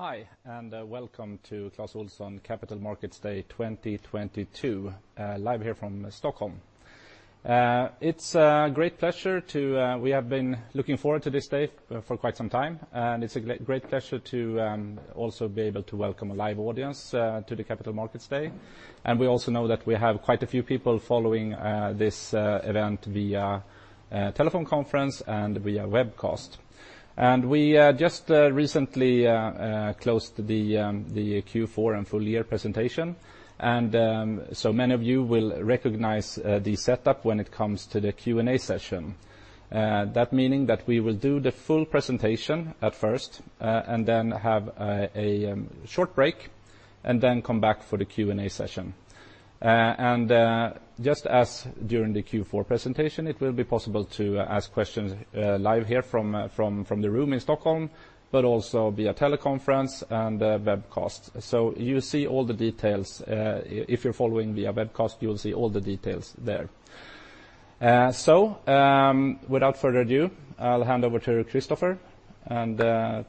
Hi, welcome to Clas Ohlson Capital Markets Day 2022, live here from Stockholm. It's a great pleasure. We have been looking forward to this day for quite some time, and it's a great pleasure to also be able to welcome a live audience to the Capital Markets Day. We also know that we have quite a few people following this event via telephone conference and via webcast. We just recently closed the Q4 and full year presentation, and so many of you will recognize the setup when it comes to the Q&A session. That meaning that we will do the full presentation at first, and then have a short break, and then come back for the Q&A session. Just as during the Q4 presentation, it will be possible to ask questions live here from the room in Stockholm, but also via teleconference and webcast. You see all the details if you're following via webcast. You'll see all the details there. Without further ado, I'll hand over to Kristofer and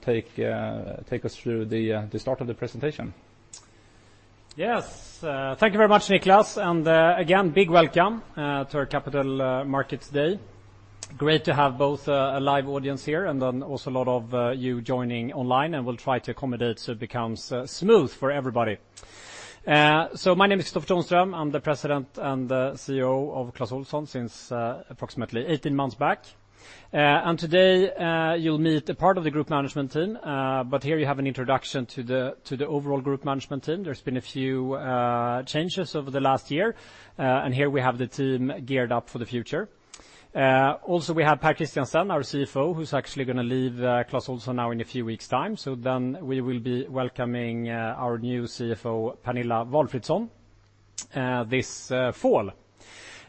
take us through the start of the presentation. Yes, thank you very much, Niklas. Again, big welcome to our Capital Markets Day. Great to have both a live audience here and then also a lot of you joining online, and we'll try to accommodate so it becomes smooth for everybody. My name is Kristofer Tonström. I'm the President and CEO of Clas Ohlson since approximately 18 months back. Today, you'll meet a part of the group management team, but here you have an introduction to the overall group management team. There's been a few changes over the last year, and here we have the team geared up for the future. Also, we have Pär Christiansen, our CFO, who's actually gonna leave Clas Ohlson now in a few weeks' time. We will be welcoming our new CFO, Pernilla Walfridsson, this fall.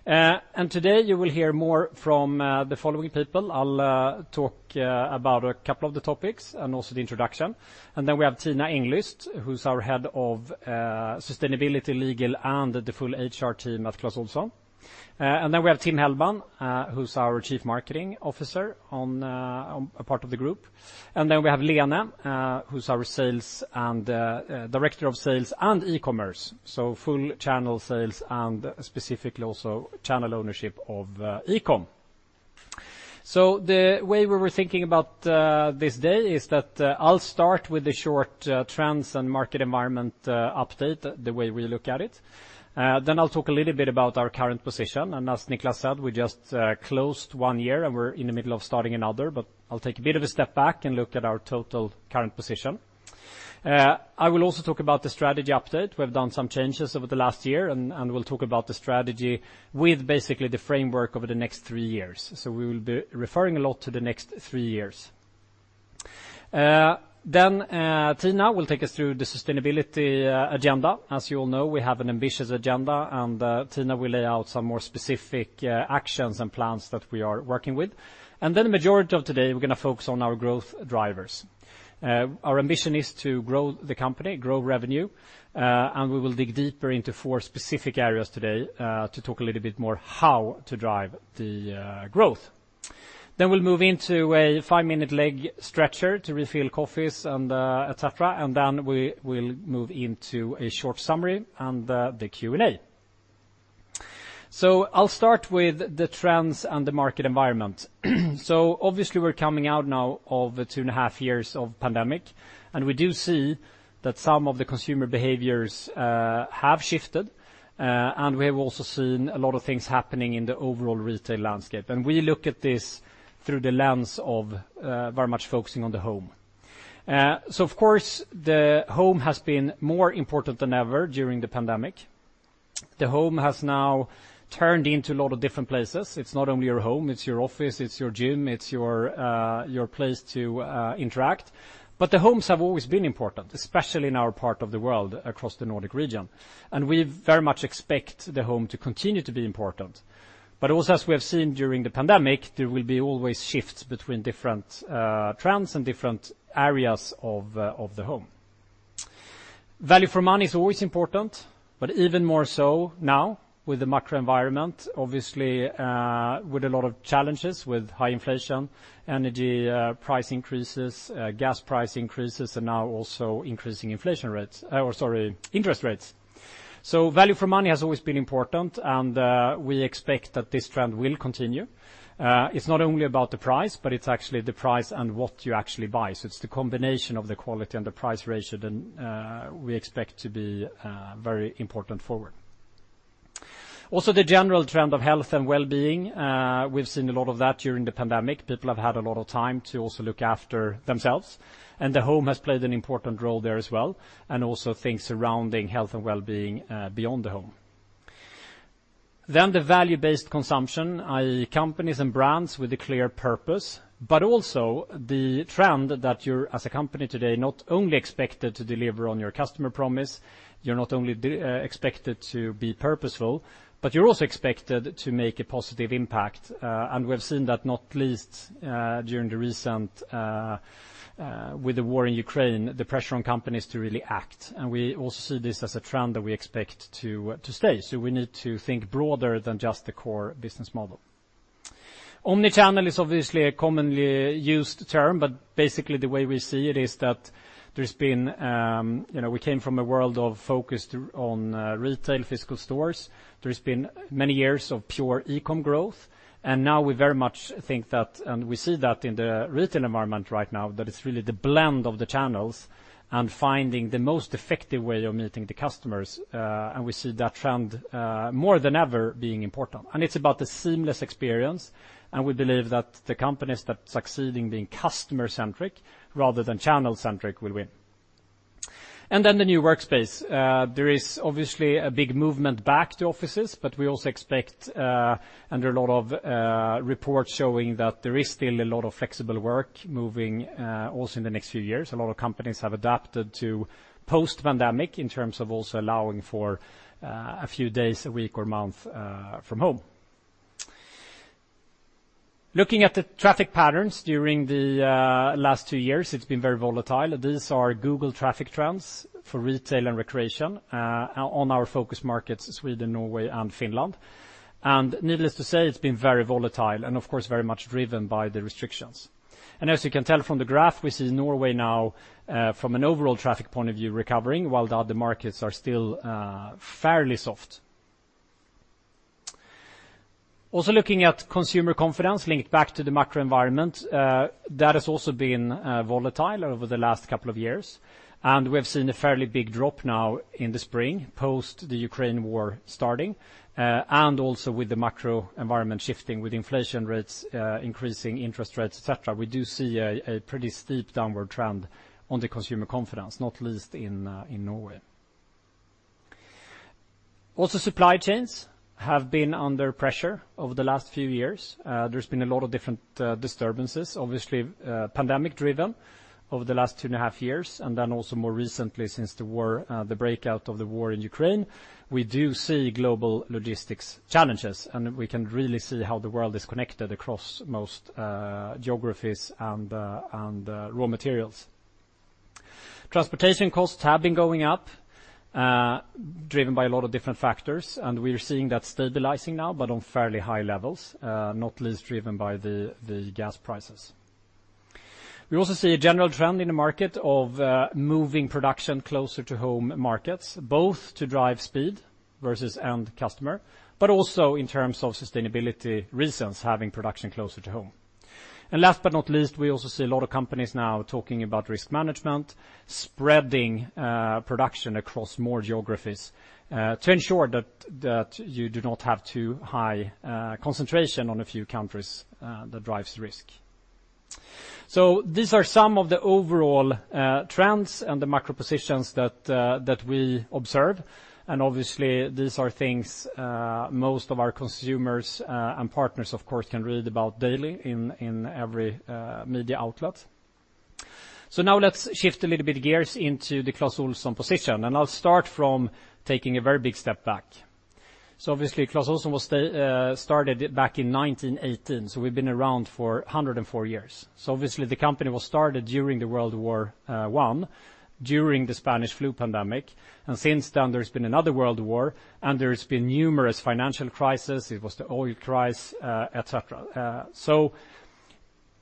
Today you will hear more from the following people. I'll talk about a couple of the topics and also the introduction. We have Tina Englyst, who's our Head of Sustainability, Legal, and the full HR team at Clas Ohlson. We have Tim Heier, who's our Chief Marketing Officer on a part of the group. We have Lene, who's our sales and director of sales and e-commerce, so full channel sales and specifically also channel ownership of e-com. The way we were thinking about this day is that I'll start with the short trends and market environment update, the way we look at it. I'll talk a little bit about our current position. As Niklas said, we just closed one year, and we're in the middle of starting another, but I'll take a bit of a step back and look at our total current position. I will also talk about the strategy update. We have done some changes over the last year and we'll talk about the strategy with basically the framework over the next three years. We will be referring a lot to the next three years. Tina will take us through the sustainability agenda. As you all know, we have an ambitious agenda, and Tina will lay out some more specific actions and plans that we are working with. The majority of today, we're gonna focus on our growth drivers. Our ambition is to grow the company, grow revenue, and we will dig deeper into four specific areas today, to talk a little bit more how to drive the growth. We'll move into a five-minute leg stretcher to refill coffees and, et cetera, and then we will move into a short summary and, the Q&A. I'll start with the trends and the market environment. Obviously we're coming out now of two and a half years of pandemic, and we do see that some of the consumer behaviors have shifted, and we have also seen a lot of things happening in the overall retail landscape. We look at this through the lens of very much focusing on the home. Of course, the home has been more important than ever during the pandemic. The home has now turned into a lot of different places. It's not only your home, it's your office, it's your gym, it's your place to interact. The homes have always been important, especially in our part of the world across the Nordic region, and we very much expect the home to continue to be important. As we have seen during the pandemic, there will be always shifts between different trends and different areas of the home. Value for money is always important, but even more so now with the macro environment, obviously, with a lot of challenges with high inflation, energy price increases, gas price increases, and now also increasing interest rates. Value for money has always been important, and we expect that this trend will continue. It's not only about the price, but it's actually the price and what you actually buy. It's the combination of the quality and the price ratio that we expect to be very important forward. Also, the general trend of health and wellbeing we've seen a lot of that during the pandemic. People have had a lot of time to also look after themselves, and the home has played an important role there as well, and also things surrounding health and wellbeing beyond the home. The value-based consumption, i.e., companies and brands with a clear purpose, but also the trend that you're, as a company today, not only expected to deliver on your customer promise, you're not only expected to be purposeful, but you're also expected to make a positive impact. We have seen that not least during the war in Ukraine, the pressure on companies to really act, and we also see this as a trend that we expect to stay. We need to think broader than just the core business model. Omnichannel is obviously a commonly used term, but basically the way we see it is that there's been, you know, we came from a world of focus on retail physical stores. There's been many years of pure e-com growth. Now we very much think that, and we see that in the retail environment right now, that it's really the blend of the channels and finding the most effective way of meeting the customers, and we see that trend more than ever being important. It's about the seamless experience, and we believe that the companies that succeed in being customer-centric rather than channel-centric will win. Then the new workspace, there is obviously a big movement back to offices, but we also expect, and there are a lot of reports showing that there is still a lot of flexible work moving, also in the next few years. A lot of companies have adapted to post-pandemic in terms of also allowing for, a few days a week or month, from home. Looking at the traffic patterns during the last two years, it's been very volatile. These are Google traffic trends for retail and recreation on our focus markets, Sweden, Norway, and Finland. Needless to say, it's been very volatile, and of course, very much driven by the restrictions. As you can tell from the graph, we see Norway now from an overall traffic point of view recovering, while the other markets are still fairly soft. Also looking at consumer confidence linked back to the macro environment, that has also been volatile over the last couple of years. We have seen a fairly big drop now in the spring post the Ukraine war starting, and also with the macro environment shifting with inflation rates increasing interest rates, et cetera. We do see a pretty steep downward trend on the consumer confidence, not least in Norway. Also supply chains have been under pressure over the last few years. There's been a lot of different disturbances, obviously, pandemic driven over the last 2.5 years, and then also more recently since the war, the breakout of the war in Ukraine. We do see global logistics challenges, and we can really see how the world is connected across most geographies and raw materials. Transportation costs have been going up driven by a lot of different factors, and we're seeing that stabilizing now, but on fairly high levels, not least driven by the gas prices. We also see a general trend in the market of moving production closer to home markets, both to drive speed versus end customer, but also in terms of sustainability reasons, having production closer to home. Last but not least, we also see a lot of companies now talking about risk management, spreading production across more geographies to ensure that you do not have too high concentration on a few countries that drives risk. These are some of the overall trends and the macro positions that we observe. Obviously these are things most of our consumers and partners, of course, can read about daily in every media outlet. Now let's shift a little bit gears into the Clas Ohlson position. I'll start from taking a very big step back. Obviously, Clas Ohlson was started back in 1918, so we've been around for 104 years. Obviously, the company was started during the World War I, during the Spanish flu pandemic. Since then there's been another World War, and there's been numerous financial crisis. It was the oil crisis, et cetera.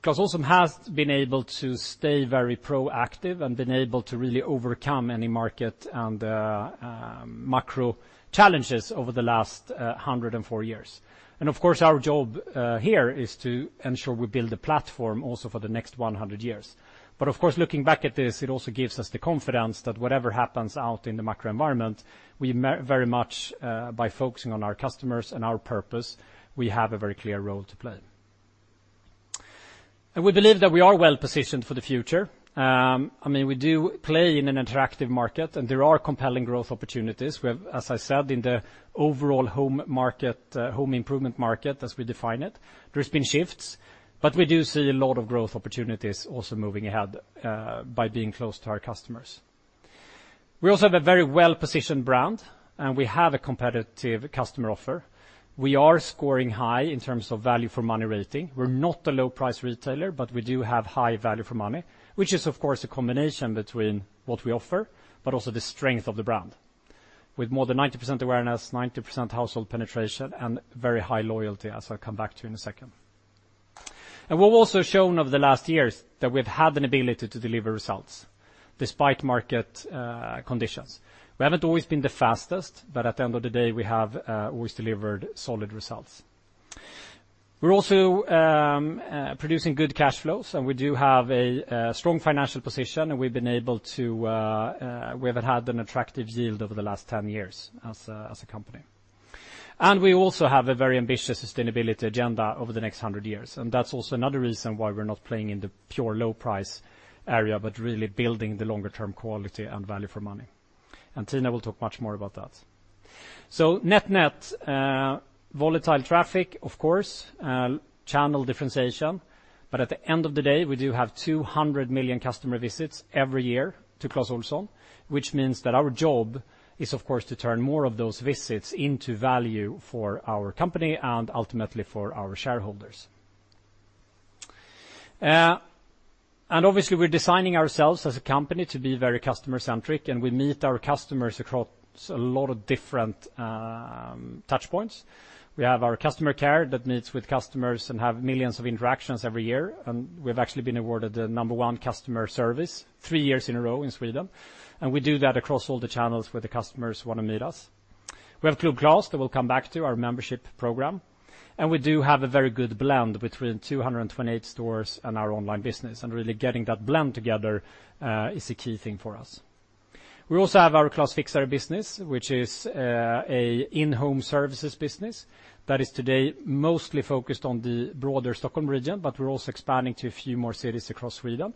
Clas Ohlson has been able to stay very proactive and been able to really overcome any market and, macro challenges over the last 104 years. Of course, our job here is to ensure we build a platform also for the next 100 years. Of course, looking back at this, it also gives us the confidence that whatever happens out in the macro environment, we very much, by focusing on our customers and our purpose, we have a very clear role to play. We believe that we are well-positioned for the future. I mean, we do play in an attractive market, and there are compelling growth opportunities. We have, as I said, in the overall home market, home improvement market as we define it, there's been shifts, but we do see a lot of growth opportunities also moving ahead, by being close to our customers. We also have a very well-positioned brand, and we have a competitive customer offer. We are scoring high in terms of value for money rating. We're not a low price retailer, but we do have high value for money, which is of course a combination between what we offer, but also the strength of the brand. With more than 90% awareness, 90% household penetration, and very high loyalty, as I'll come back to in a second. We've also shown over the last years that we've had an ability to deliver results despite market conditions. We haven't always been the fastest, but at the end of the day, we have always delivered solid results. We're also producing good cash flows, and we do have a strong financial position, and we have had an attractive yield over the last 10 years as a company. We also have a very ambitious sustainability agenda over the next 100 years. That's also another reason why we're not playing in the pure low price area, but really building the longer term quality and value for money. Tina will talk much more about that. Net volatile traffic, of course, channel differentiation, but at the end of the day, we do have 200 million customer visits every year to Clas Ohlson, which means that our job is of course to turn more of those visits into value for our company and ultimately for our shareholders. Obviously we're designing ourselves as a company to be very customer-centric, and we meet our customers across a lot of different touchpoints. We have our customer care that meets with customers and have millions of interactions every year, and we've actually been awarded the number one customer service three years in a row in Sweden. We do that across all the channels where the customers wanna meet us. We have Club Clas that we'll come back to, our membership program. We do have a very good blend between 228 stores and our online business, and really getting that blend together is a key thing for us. We also have our Clas Fixare business, which is an in-home services business that is today mostly focused on the broader Stockholm region, but we're also expanding to a few more cities across Sweden.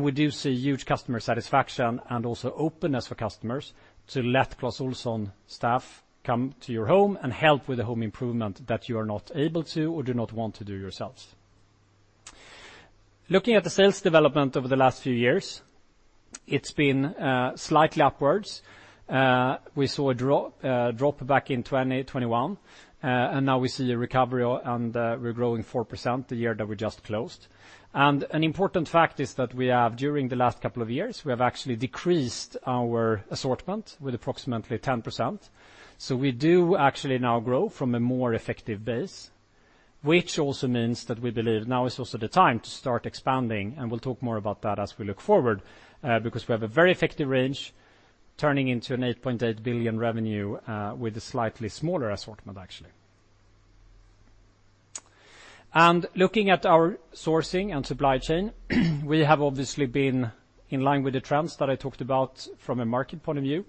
We do see huge customer satisfaction and also openness for customers to let Clas Ohlson staff come to your home and help with the home improvement that you are not able to or do not want to do yourselves. Looking at the sales development over the last few years, it's been slightly upwards. We saw a drop back in 2021, and now we see a recovery and we're growing 4% the year that we just closed. An important fact is that we have, during the last couple of years, actually decreased our assortment with approximately 10%. We do actually now grow from a more effective base, which also means that we believe now is also the time to start expanding, and we'll talk more about that as we look forward, because we have a very effective range turning into 8.8 billion revenue, with a slightly smaller assortment, actually. Looking at our sourcing and supply chain, we have obviously been in line with the trends that I talked about from a market point of view.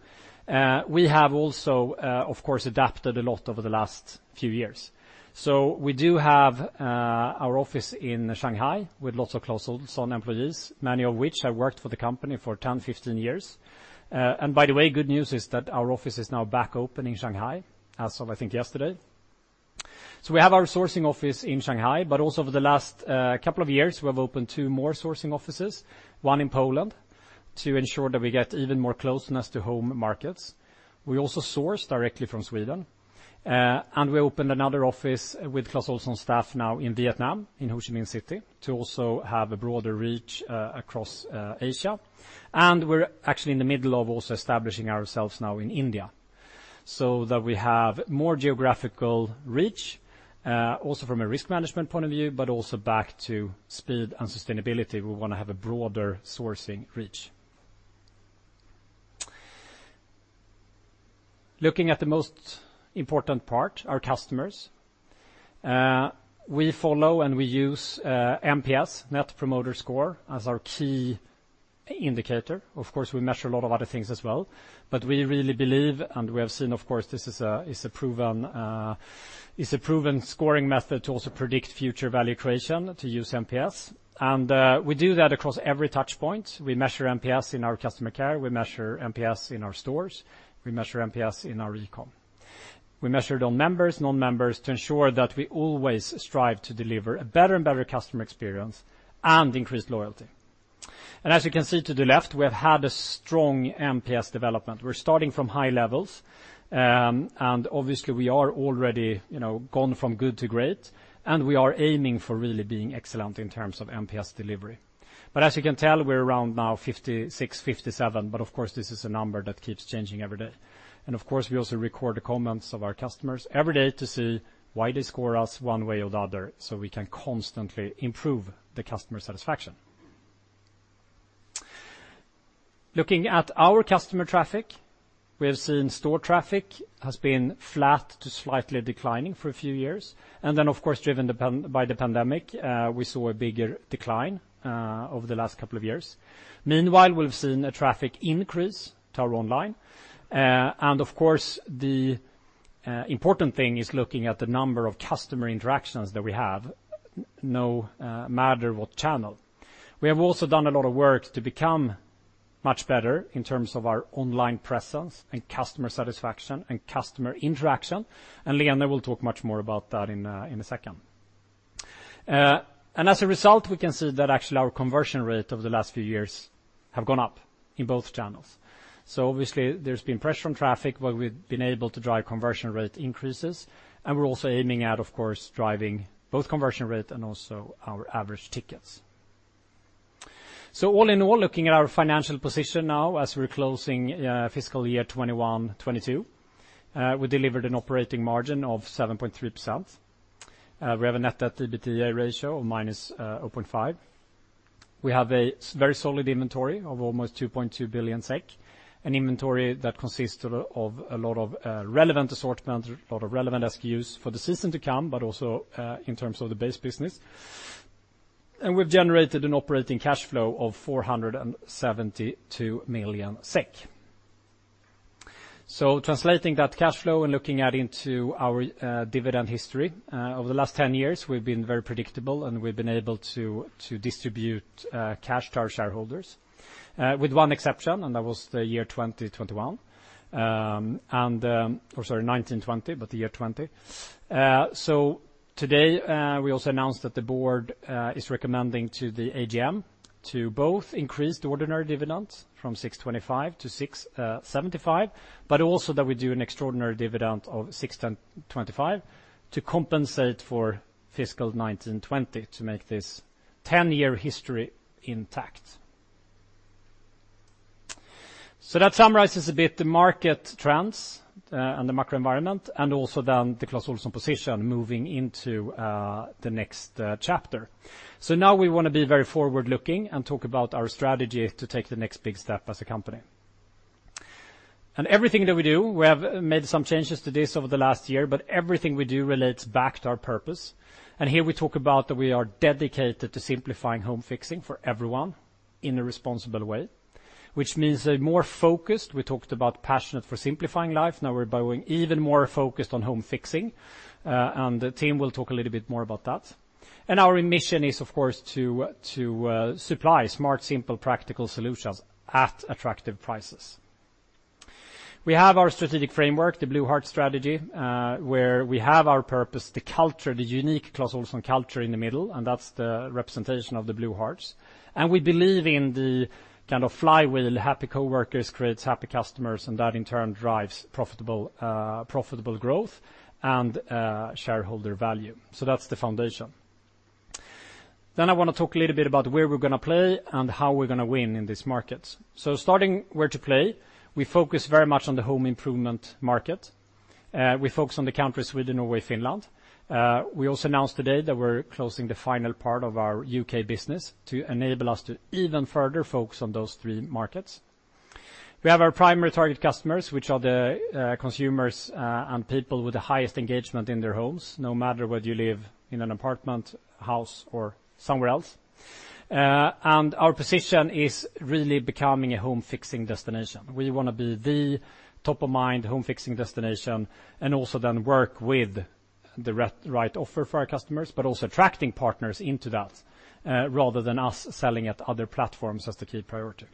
We have also, of course, adapted a lot over the last few years. We do have our office in Shanghai with lots of Clas Ohlson employees, many of which have worked for the company for 10, 15 years. By the way, good news is that our office is now back open in Shanghai, as of, I think, yesterday. We have our sourcing office in Shanghai, but also over the last couple of years, we have opened two more sourcing offices, one in Poland to ensure that we get even more closeness to home markets. We also source directly from Sweden, and we opened another office with Clas Ohlson staff now in Vietnam, in Ho Chi Minh City, to also have a broader reach across Asia. We're actually in the middle of also establishing ourselves now in India, so that we have more geographical reach, also from a risk management point of view, but also back to speed and sustainability. We wanna have a broader sourcing reach. Looking at the most important part, our customers, we follow and we use NPS, Net Promoter Score, as our key indicator. Of course, we measure a lot of other things as well, but we really believe, and we have seen, of course, this is a proven scoring method to also predict future value creation, to use NPS. We do that across every touchpoint. We measure NPS in our customer care, we measure NPS in our stores, we measure NPS in our e-com. We measure it on members, non-members to ensure that we always strive to deliver a better and better customer experience and increase loyalty. As you can see to the left, we have had a strong NPS development. We're starting from high levels, and obviously we are already, you know, gone from good to great, and we are aiming for really being excellent in terms of NPS delivery. As you can tell, we're around now 56, 57, but of course, this is a number that keeps changing every day. Of course, we also record the comments of our customers every day to see why they score us one way or the other so we can constantly improve the customer satisfaction. Looking at our customer traffic, we have seen store traffic has been flat to slightly declining for a few years. Of course, driven by the pandemic, we saw a bigger decline over the last couple of years. Meanwhile, we've seen a traffic increase to our online. Of course, the important thing is looking at the number of customer interactions that we have, matter what channel. We have also done a lot of work to become much better in terms of our online presence and customer satisfaction and customer interaction. Lena will talk much more about that in a second. As a result, we can see that actually our conversion rate over the last few years have gone up in both channels. Obviously, there's been pressure on traffic, but we've been able to drive conversion rate increases, and we're also aiming at, of course, driving both conversion rate and also our average tickets. All in all, looking at our financial position now as we're closing fiscal year 2021, 2022, we delivered an operating margin of 7.3%. We have a net debt to EBITDA ratio of minus 0.5. We have a very solid inventory of almost 2.2 billion SEK, an inventory that consists of a lot of relevant assortment, a lot of relevant SKUs for the season to come, but also in terms of the base business. We've generated an operating cash flow of 472 million SEK. Translating that cash flow and looking into our dividend history over the last 10 years, we've been very predictable, and we've been able to distribute cash to our shareholders with one exception, and that was the year 2020, 2021. Or, 2019, 2020, but the year 2020. Today, we also announced that the board is recommending to the AGM to both increase the ordinary dividends from 6.25 to 6.75, but also that we do an extraordinary dividend of 6.1025 to compensate for fiscal 2019, 2020 to make this ten-year history intact. That summarizes a bit the market trends, and the macro environment, and also then the Clas Ohlson position moving into the next chapter. Now we wanna be very forward-looking and talk about our strategy to take the next big step as a company. Everything that we do, we have made some changes to this over the last year, but everything we do relates back to our purpose. Here we talk about that we are dedicated to simplifying home fixing for everyone in a responsible way, which means a more focused. We talked about passion for simplifying life, now we're going even more focused on home fixing, and the team will talk a little bit more about that. Our mission is, of course, to supply smart, simple, practical solutions at attractive prices. We have our strategic framework, the Blue Heart strategy, where we have our purpose, the culture, the unique Clas Ohlson culture in the middle, and that's the representation of the Blue Hearts. We believe in the kind of flywheel, happy coworkers creates happy customers, and that in turn drives profitable growth and shareholder value. That's the foundation. I wanna talk a little bit about where we're gonna play and how we're gonna win in these markets. Starting where to play, we focus very much on the home improvement market. We focus on the countries Sweden, Norway, Finland. We also announced today that we're closing the final part of our UK business to enable us to even further focus on those three markets. We have our primary target customers, which are the consumers and people with the highest engagement in their homes, no matter whether you live in an apartment, house, or somewhere else. Our position is really becoming a home-fixing destination. We wanna be the top-of-mind home-fixing destination, and also then work with the right offer for our customers, but also attracting partners into that, rather than us selling at other platforms as the key priority.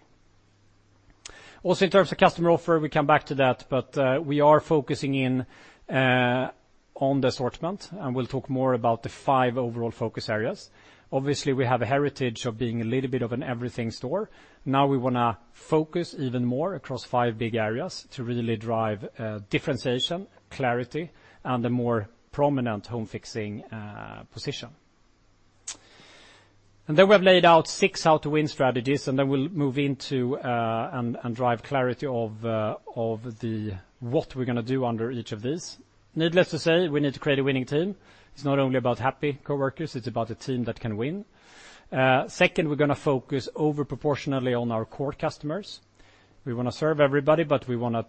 Also, in terms of customer offer, we come back to that, but we are focusing in on the assortment, and we'll talk more about the five overall focus areas. Obviously, we have a heritage of being a little bit of an everything store. Now we wanna focus even more across five big areas to really drive differentiation, clarity, and a more prominent home-fixing position. Then we have laid out six how-to-win strategies, and then we'll move into and drive clarity of what we're gonna do under each of these. Needless to say, we need to create a winning team. It's not only about happy coworkers, it's about a team that can win. Second, we're gonna focus disproportionately on our core customers. We wanna serve everybody, but we wanna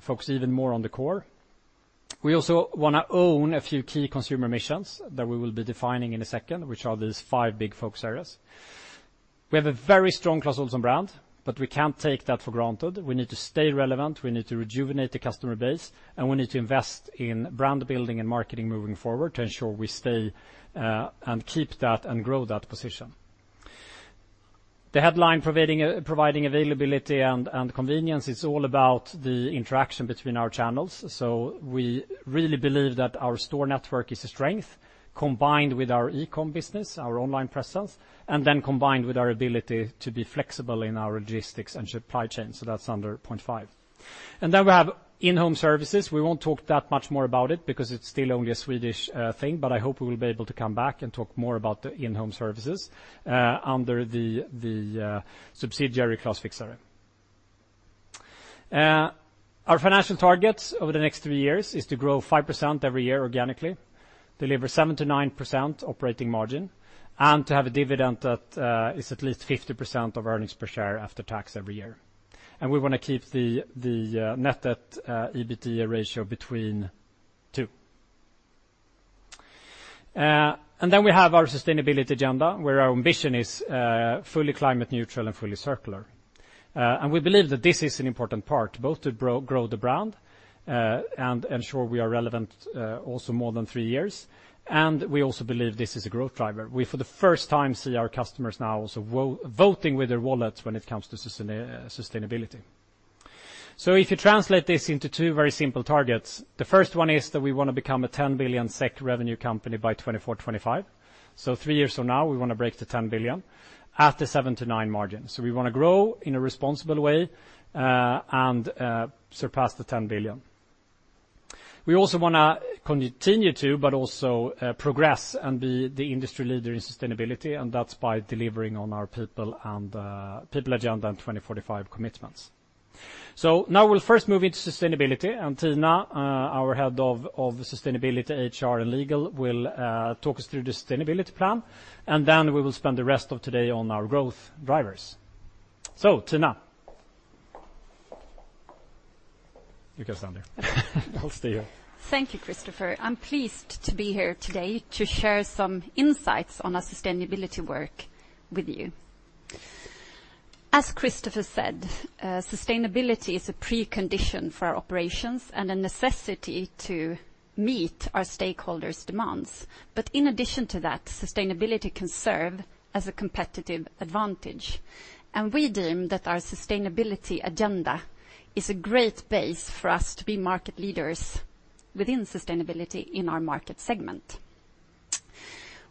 focus even more on the core. We also wanna own a few key consumer missions that we will be defining in a second, which are these five big focus areas. We have a very strong Clas Ohlson brand, but we can't take that for granted. We need to stay relevant, we need to rejuvenate the customer base, and we need to invest in brand building and marketing moving forward to ensure we stay, and keep that and grow that position. Providing availability and convenience is all about the interaction between our channels. We really believe that our store network is a strength, combined with our e-com business, our online presence, and then combined with our ability to be flexible in our logistics and supply chain. That's under point five. We have in-home services. We won't talk that much more about it because it's still only a Swedish thing, but I hope we will be able to come back and talk more about the in-home services under the subsidiary Clas Fixare. Our financial targets over the next three years is to grow 5% every year organically, deliver 7%-9% operating margin, and to have a dividend that is at least 50% of earnings per share after tax every year. We wanna keep the net debt/EBITDA ratio between two. Then we have our sustainability agenda, where our ambition is fully climate neutral and fully circular. We believe that this is an important part, both to grow the brand and ensure we are relevant also more than three years. We also believe this is a growth driver. We for the first time see our customers now also voting with their wallets when it comes to sustainability. If you translate this into two very simple targets, the first one is that we wanna become a 10 billion SEK revenue company by 2024-2025. Three years from now, we wanna break the 10 billion at the 7%-9% margin. We wanna grow in a responsible way and surpass the 10 billion. We also wanna continue to, but also, progress and be the industry leader in sustainability, and that's by delivering on our people and planet agenda and 2045 commitments. Now we'll first move into sustainability, and Tina, our head of sustainability, HR, and legal, will talk us through the sustainability plan. Then we will spend the rest of today on our growth drivers. Tina. You can stand there. I'll stay here. Thank you, Kristofer. I'm pleased to be here today to share some insights on our sustainability work with you. As Kristofer said, sustainability is a precondition for our operations and a necessity to meet our stakeholders' demands. In addition to that, sustainability can serve as a competitive advantage. We deem that our sustainability agenda is a great base for us to be market leaders within sustainability in our market segment.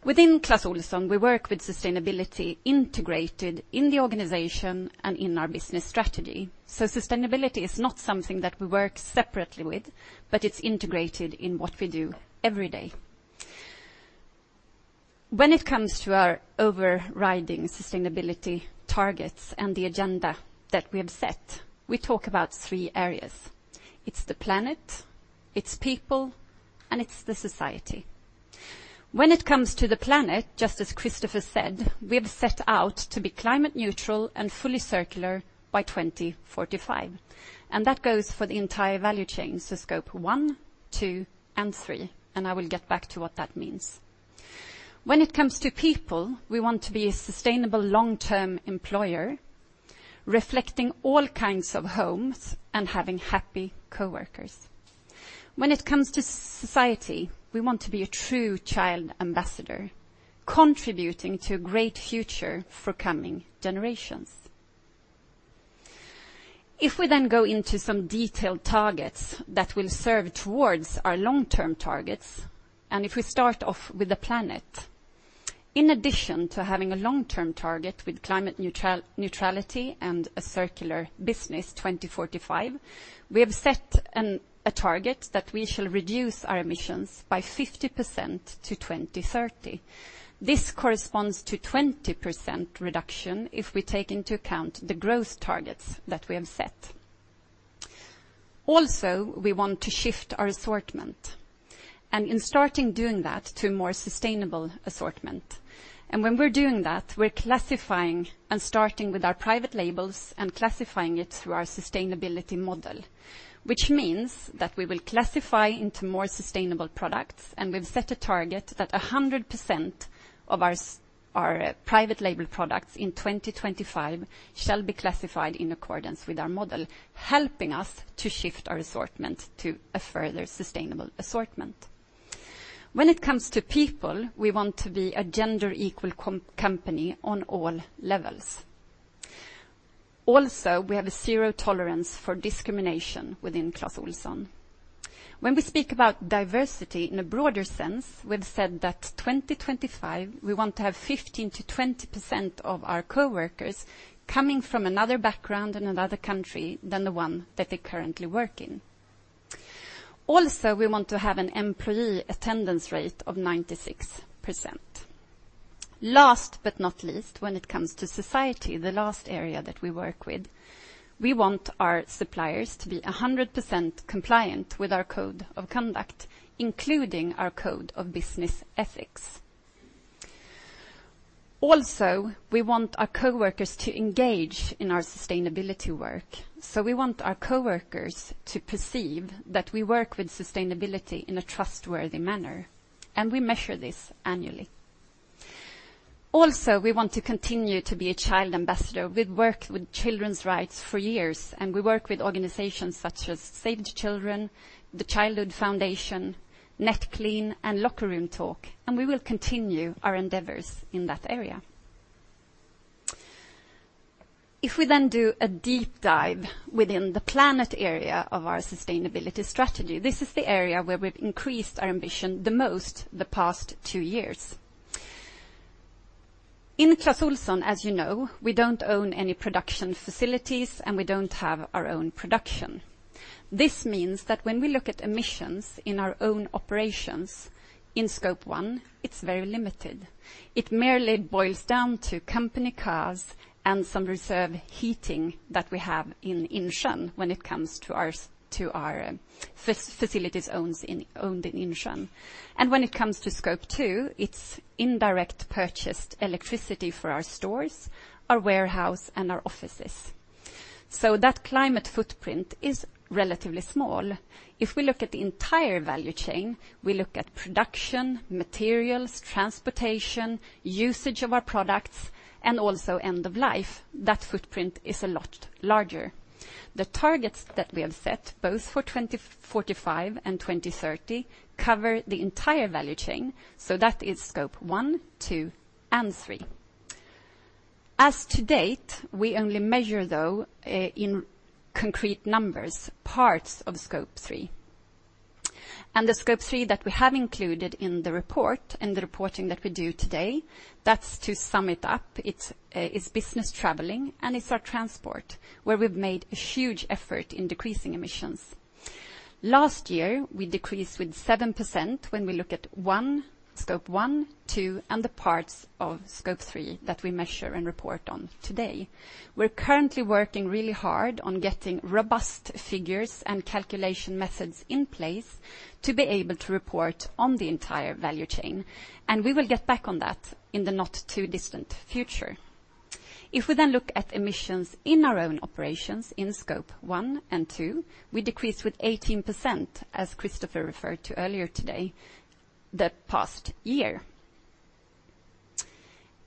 Within Clas Ohlson, we work with sustainability integrated in the organization and in our business strategy. Sustainability is not something that we work separately with, but it's integrated in what we do every day. When it comes to our overriding sustainability targets and the agenda that we have set, we talk about three areas. It's the planet, it's people, and it's the society. When it comes to the planet, just as Kristofer said, we have set out to be climate neutral and fully circular by 2045, and that goes for the entire value chain, so Scope one, two, and three, and I will get back to what that means. When it comes to people, we want to be a sustainable long-term employer, reflecting all kinds of homes and having happy coworkers. When it comes to society, we want to be a true child ambassador, contributing to a great future for coming generations. If we then go into some detailed targets that will serve towards our long-term targets, and if we start off with the planet, in addition to having a long-term target with climate neutrality and a circular business 2045, we have set a target that we shall reduce our emissions by 50% to 2030. This corresponds to 20% reduction if we take into account the growth targets that we have set. Also, we want to shift our assortment, and in starting doing that to a more sustainable assortment. When we're doing that, we're classifying and starting with our private labels and classifying it through our sustainability model, which means that we will classify into more sustainable products. We've set a target that 100% of our private label products in 2025 shall be classified in accordance with our model, helping us to shift our assortment to a further sustainable assortment. When it comes to people, we want to be a gender equal company on all levels. Also, we have a zero tolerance for discrimination within Clas Ohlson. When we speak about diversity in a broader sense, we've said that 2025, we want to have 15%-20% of our coworkers coming from another background in another country than the one that they currently work in. Also, we want to have an employee attendance rate of 96%. Last but not least, when it comes to society, the last area that we work with, we want our suppliers to be 100% compliant with our code of conduct, including our code of business ethics. Also, we want our coworkers to engage in our sustainability work, so we want our coworkers to perceive that we work with sustainability in a trustworthy manner, and we measure this annually. Also, we want to continue to be a child ambassador. We've worked with children's rights for years, and we work with organizations such as Save the Children, World Childhood Foundation, NetClean, and Locker Room Talk, and we will continue our endeavors in that area. If we then do a deep dive within the planet area of our sustainability strategy, this is the area where we've increased our ambition the most the past two years. In Clas Ohlson, as you know, we don't own any production facilities, and we don't have our own production. This means that when we look at emissions in our own operations in Scope one, it's very limited. It merely boils down to company cars and some reserve heating that we have in Insjön when it comes to our facilities owned in Insjön. When it comes to Scope two, it's indirect purchased electricity for our stores, our warehouse, and our offices. That climate footprint is relatively small. If we look at the entire value chain, we look at production, materials, transportation, usage of our products, and also end of life, that footprint is a lot larger. The targets that we have set both for 2045 and 2030 cover the entire value chain, so that is Scope one, two, and three. To date, we only measure, though, in concrete numbers, parts of Scope three. The Scope three that we have included in the report, in the reporting that we do today, that's to sum it up, it's business traveling and it's our transport, where we've made a huge effort in decreasing emissions. Last year, we decreased with 7% when we look at one, Scope one, two, and the parts of Scope three that we measure and report on today. We're currently working really hard on getting robust figures and calculation methods in place to be able to report on the entire value chain, and we will get back on that in the not-too-distant future. If we then look at emissions in our own operations in Scope one and two, we decreased with 18%, as Christopher referred to earlier today, the past year.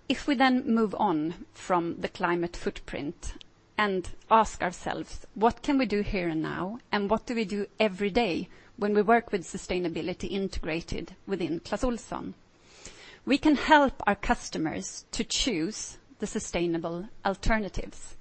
If we then move on from the climate footprint and ask ourselves, what can we do here and now, and what do we do every day when we work with sustainability integrated within Clas Ohlson? We can help our customers to choose the sustainable alternatives.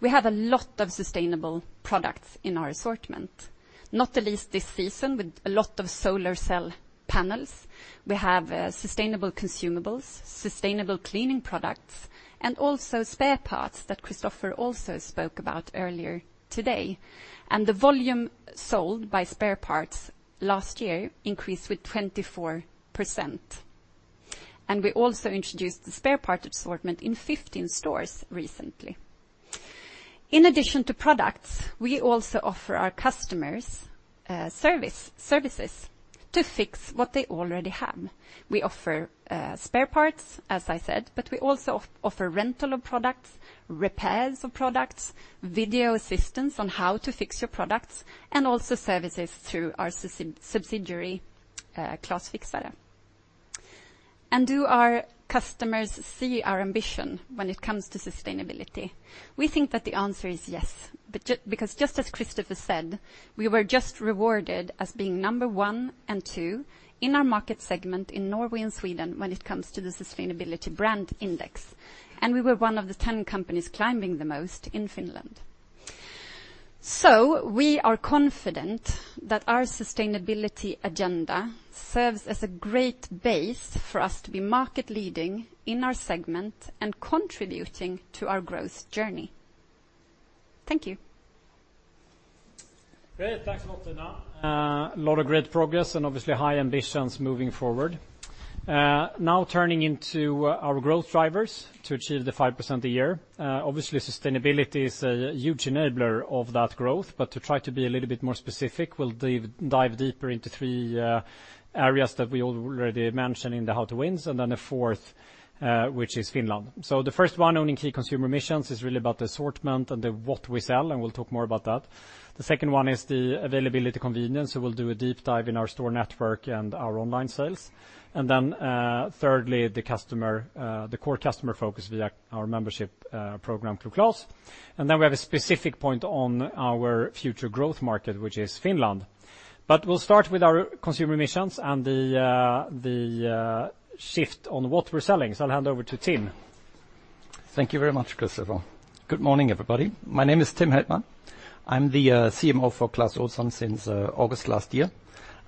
We have a lot of sustainable products in our assortment, not the least this season with a lot of solar cell panels. We have sustainable consumables, sustainable cleaning products, and also spare parts that Christopher also spoke about earlier today. The volume sold by spare parts last year increased with 24%. We also introduced the spare part assortment in 15 stores recently. In addition to products, we also offer our customers services to fix what they already have. We offer spare parts, as I said, but we also offer rental of products, repairs of products, video assistance on how to fix your products, and also services through our subsidiary, Clas Fixare. Do our customers see our ambition when it comes to sustainability? We think that the answer is yes, because just as Kristofer said, we were just rewarded as being number one and two in our market segment in Norway and Sweden when it comes to the Sustainable Brand Index, and we were one of the 10 companies climbing the most in Finland. We are confident that our sustainability agenda serves as a great base for us to be market leading in our segment and contributing to our growth journey. Thank you. Great. Thanks a lot, Tina. Lot of great progress and obviously high ambitions moving forward. Now turning into our growth drivers to achieve the 5% a year. Obviously sustainability is a huge enabler of that growth, but to try to be a little bit more specific, we'll dive deeper into three areas that we already mentioned in the how to wins, and then a fourth, which is Finland. The first one, owning key consumer missions, is really about the assortment and what we sell, and we'll talk more about that. The second one is the availability and convenience, so we'll do a deep dive in our store network and our online sales. Then, thirdly, the customer, the core customer focus via our membership program, Club Clas. We have a specific point on our future growth market, which is Finland. We'll start with our consumer missions and the shift on what we're selling. I'll hand over to Tim. Thank you very much, Kristofer. Good morning, everybody. My name is Tim Heier. I'm the CMO for Clas Ohlson since August last year.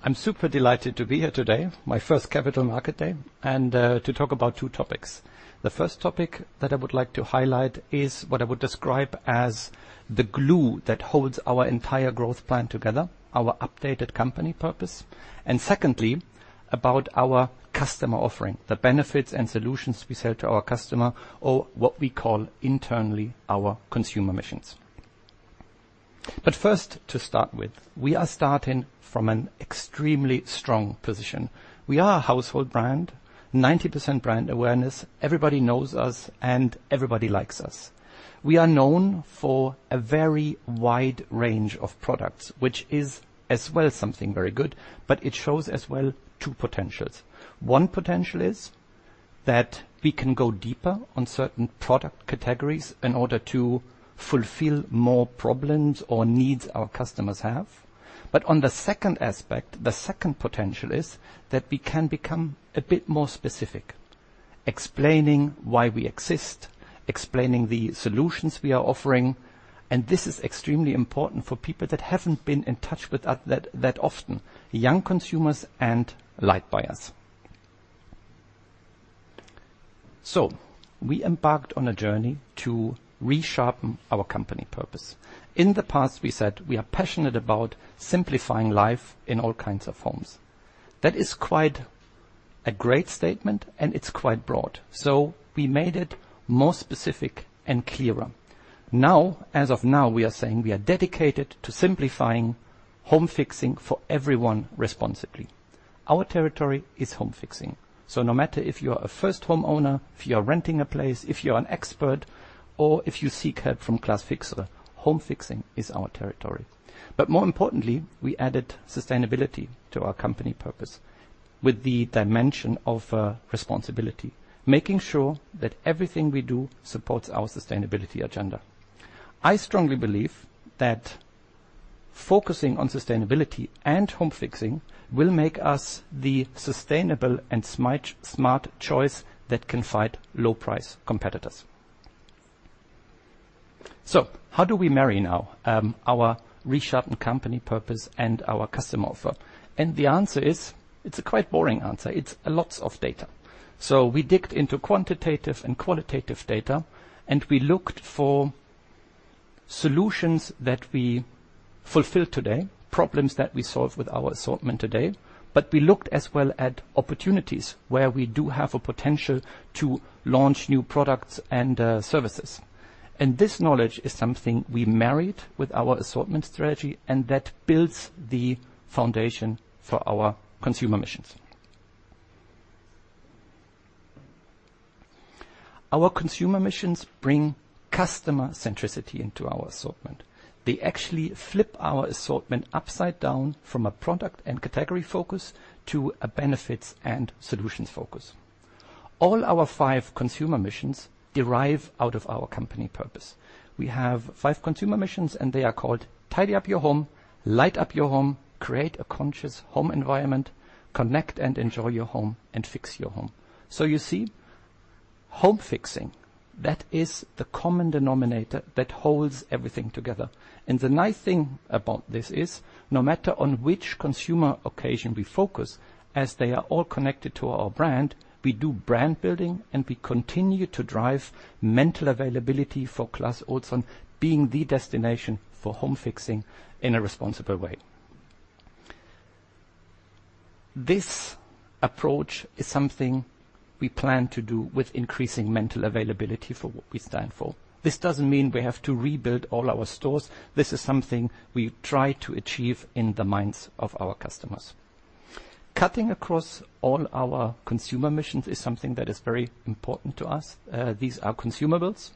I'm super delighted to be here today, my first Capital Market Day, and to talk about two topics. The first topic that I would like to highlight is what I would describe as the glue that holds our entire growth plan together, our updated company purpose, and secondly, about our customer offering, the benefits and solutions we sell to our customer, or what we call internally our consumer missions. First to start with, we are starting from an extremely strong position. We are a household brand, 90% brand awareness. Everybody knows us, and everybody likes us. We are known for a very wide range of products, which is as well something very good, but it shows as well two potentials. One potential is that we can go deeper on certain product categories in order to fulfill more problems or needs our customers have. On the second aspect, the second potential is that we can become a bit more specific, explaining why we exist, explaining the solutions we are offering, and this is extremely important for people that haven't been in touch with us that often, young consumers and light buyers. We embarked on a journey to resharpen our company purpose. In the past, we said we are passionate about simplifying life in all kinds of homes. That is quite a great statement, and it's quite broad. We made it more specific and clearer. Now, as of now, we are saying we are dedicated to simplifying home fixing for everyone responsibly. Our territory is home fixing, so no matter if you're a first homeowner, if you are renting a place, if you're an expert, or if you seek help from Clas Fixare, home fixing is our territory. More importantly, we added sustainability to our company purpose with the dimension of, responsibility, making sure that everything we do supports our sustainability agenda. I strongly believe that focusing on sustainability and home fixing will make us the sustainable and smart choice that can fight low-price competitors. How do we marry now, our resharpened company purpose and our customer offer? The answer is, it's a quite boring answer. It's a lot of data. We dug into quantitative and qualitative data, and we looked for solutions that we fulfill today, problems that we solve with our assortment today, but we looked as well at opportunities where we do have a potential to launch new products and services. This knowledge is something we married with our assortment strategy, and that builds the foundation for our consumer missions. Our consumer missions bring customer centricity into our assortment. They actually flip our assortment upside down from a product and category focus to a benefits and solutions focus. All our five consumer missions derive out of our company purpose. We have five consumer missions, and they are called tidy up your home, light up your home, create a conscious home environment, connect and enjoy your home, and fix your home. You see, home fixing, that is the common denominator that holds everything together. The nice thing about this is no matter on which consumer occasion we focus, as they are all connected to our brand, we do brand building, and we continue to drive mental availability for Clas Ohlson being the destination for home fixing in a responsible way. This approach is something we plan to do with increasing mental availability for what we stand for. This doesn't mean we have to rebuild all our stores. This is something we try to achieve in the minds of our customers. Cutting across all our consumer missions is something that is very important to us. These are consumables.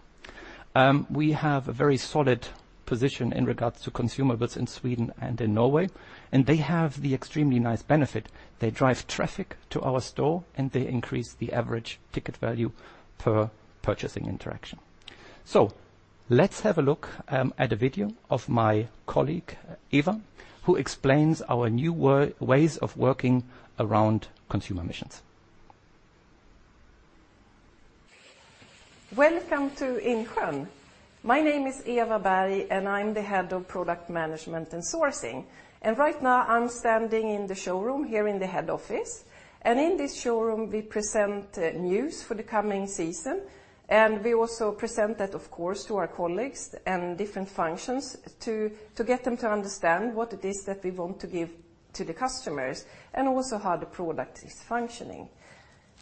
We have a very solid position in regards to consumables in Sweden and in Norway, and they have the extremely nice benefit. They drive traffic to our store, and they increase the average ticket value per purchasing interaction. Let's have a look at a video of my colleague, Eva, who explains our new ways of working around consumer missions. Welcome to Insjön. My name is Eva Berg, and I'm the Head of Product Management and Sourcing. Right now, I'm standing in the showroom here in the head office. In this showroom, we present news for the coming season, and we also present that, of course, to our colleagues and different functions to get them to understand what it is that we want to give to the customers and also how the product is functioning.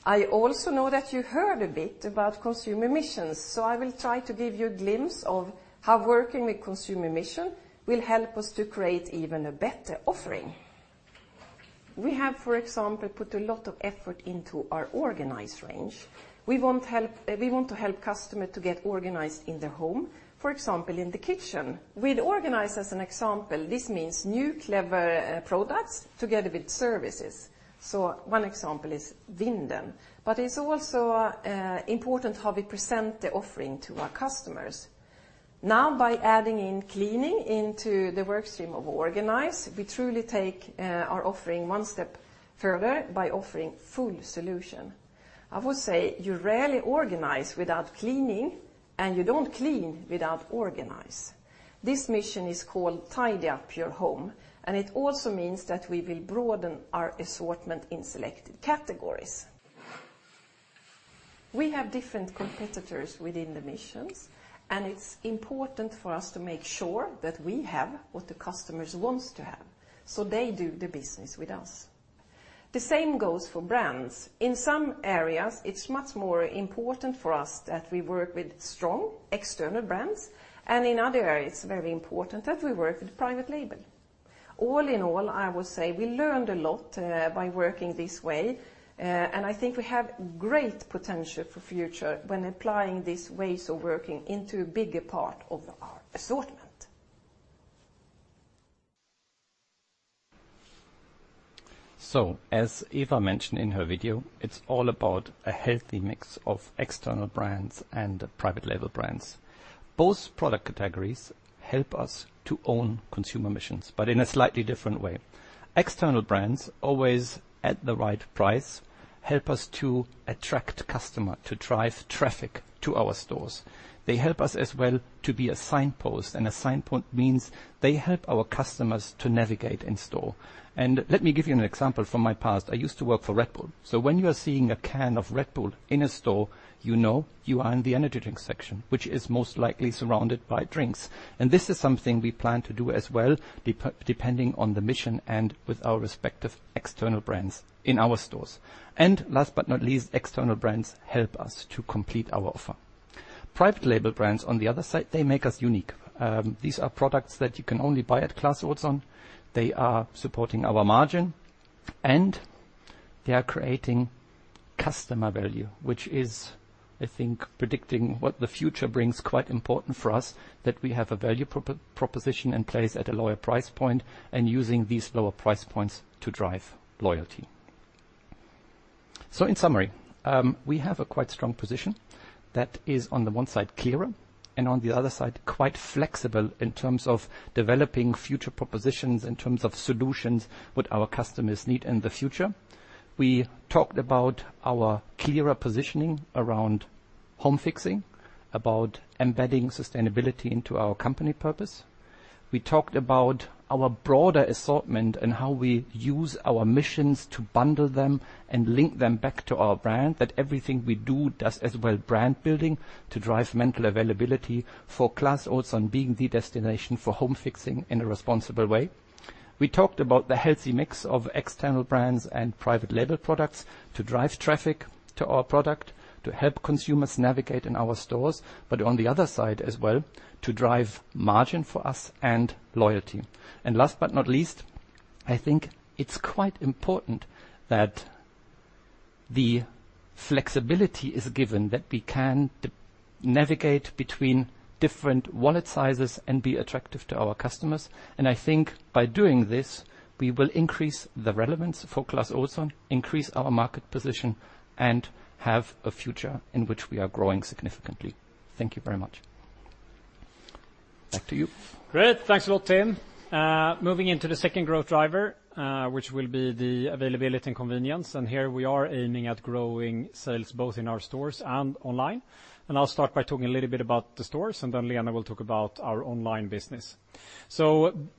I also know that you heard a bit about consumer missions, so I will try to give you a glimpse of how working with consumer mission will help us to create even a better offering. We have, for example, put a lot of effort into our organized range. We want to help customer to get organized in their home, for example, in the kitchen. With organize as an example, this means new, clever, products together with services. One example is Vinden. It's also important how we present the offering to our customers. Now, by adding in cleaning into the work stream of organize, we truly take our offering one step further by offering full solution. I would say you rarely organize without cleaning, and you don't clean without organize. This mission is called Tidy Up Your Home, and it also means that we will broaden our assortment in selected categories. We have different competitors within the missions, and it's important for us to make sure that we have what the customers wants to have, so they do the business with us. The same goes for brands. In some areas, it's much more important for us that we work with strong external brands, and in other areas, it's very important that we work with private label. All in all, I will say we learned a lot, by working this way, and I think we have great potential for future when applying these ways of working into a bigger part of our assortment. As Eva mentioned in her video, it's all about a healthy mix of external brands and private label brands. Both product categories help us to own consumer missions, but in a slightly different way. External brands, always at the right price, help us to attract customer, to drive traffic to our stores. They help us as well to be a signpost, and a signpost means they help our customers to navigate in store. Let me give you an example from my past. I used to work for Red Bull. When you are seeing a can of Red Bull in a store, you know you are in the energy drink section, which is most likely surrounded by drinks. This is something we plan to do as well, depending on the mission and with our respective external brands in our stores. Last but not least, external brands help us to complete our offer. Private label brands, on the other side, they make us unique. These are products that you can only buy at Clas Ohlson. They are supporting our margin, and they are creating customer value, which is, I think, predicting what the future brings quite important for us, that we have a value proposition in place at a lower price point and using these lower price points to drive loyalty. In summary, we have a quite strong position that is, on the one side, clearer and on the other side, quite flexible in terms of developing future propositions, in terms of solutions what our customers need in the future. We talked about our clearer positioning around home fixing, about embedding sustainability into our company purpose. We talked about our broader assortment and how we use our missions to bundle them and link them back to our brand, that everything we do does as well as brand-building to drive mental availability for Clas Ohlson being the destination for home fixing in a responsible way. We talked about the healthy mix of external brands and private label products to drive traffic to our product, to help consumers navigate in our stores, but on the other side as well, to drive margin for us and loyalty. Last but not least, I think it's quite important that the flexibility is given that we can navigate between different wallet sizes and be attractive to our customers. I think by doing this, we will increase the relevance for Clas Ohlson, increase our market position, and have a future in which we are growing significantly. Thank you very much. Back to you. Great. Thanks a lot, Tim. Moving into the second growth driver, which will be the availability and convenience, and here we are aiming at growing sales both in our stores and online. I'll start by talking a little bit about the stores, and then Lena will talk about our online business.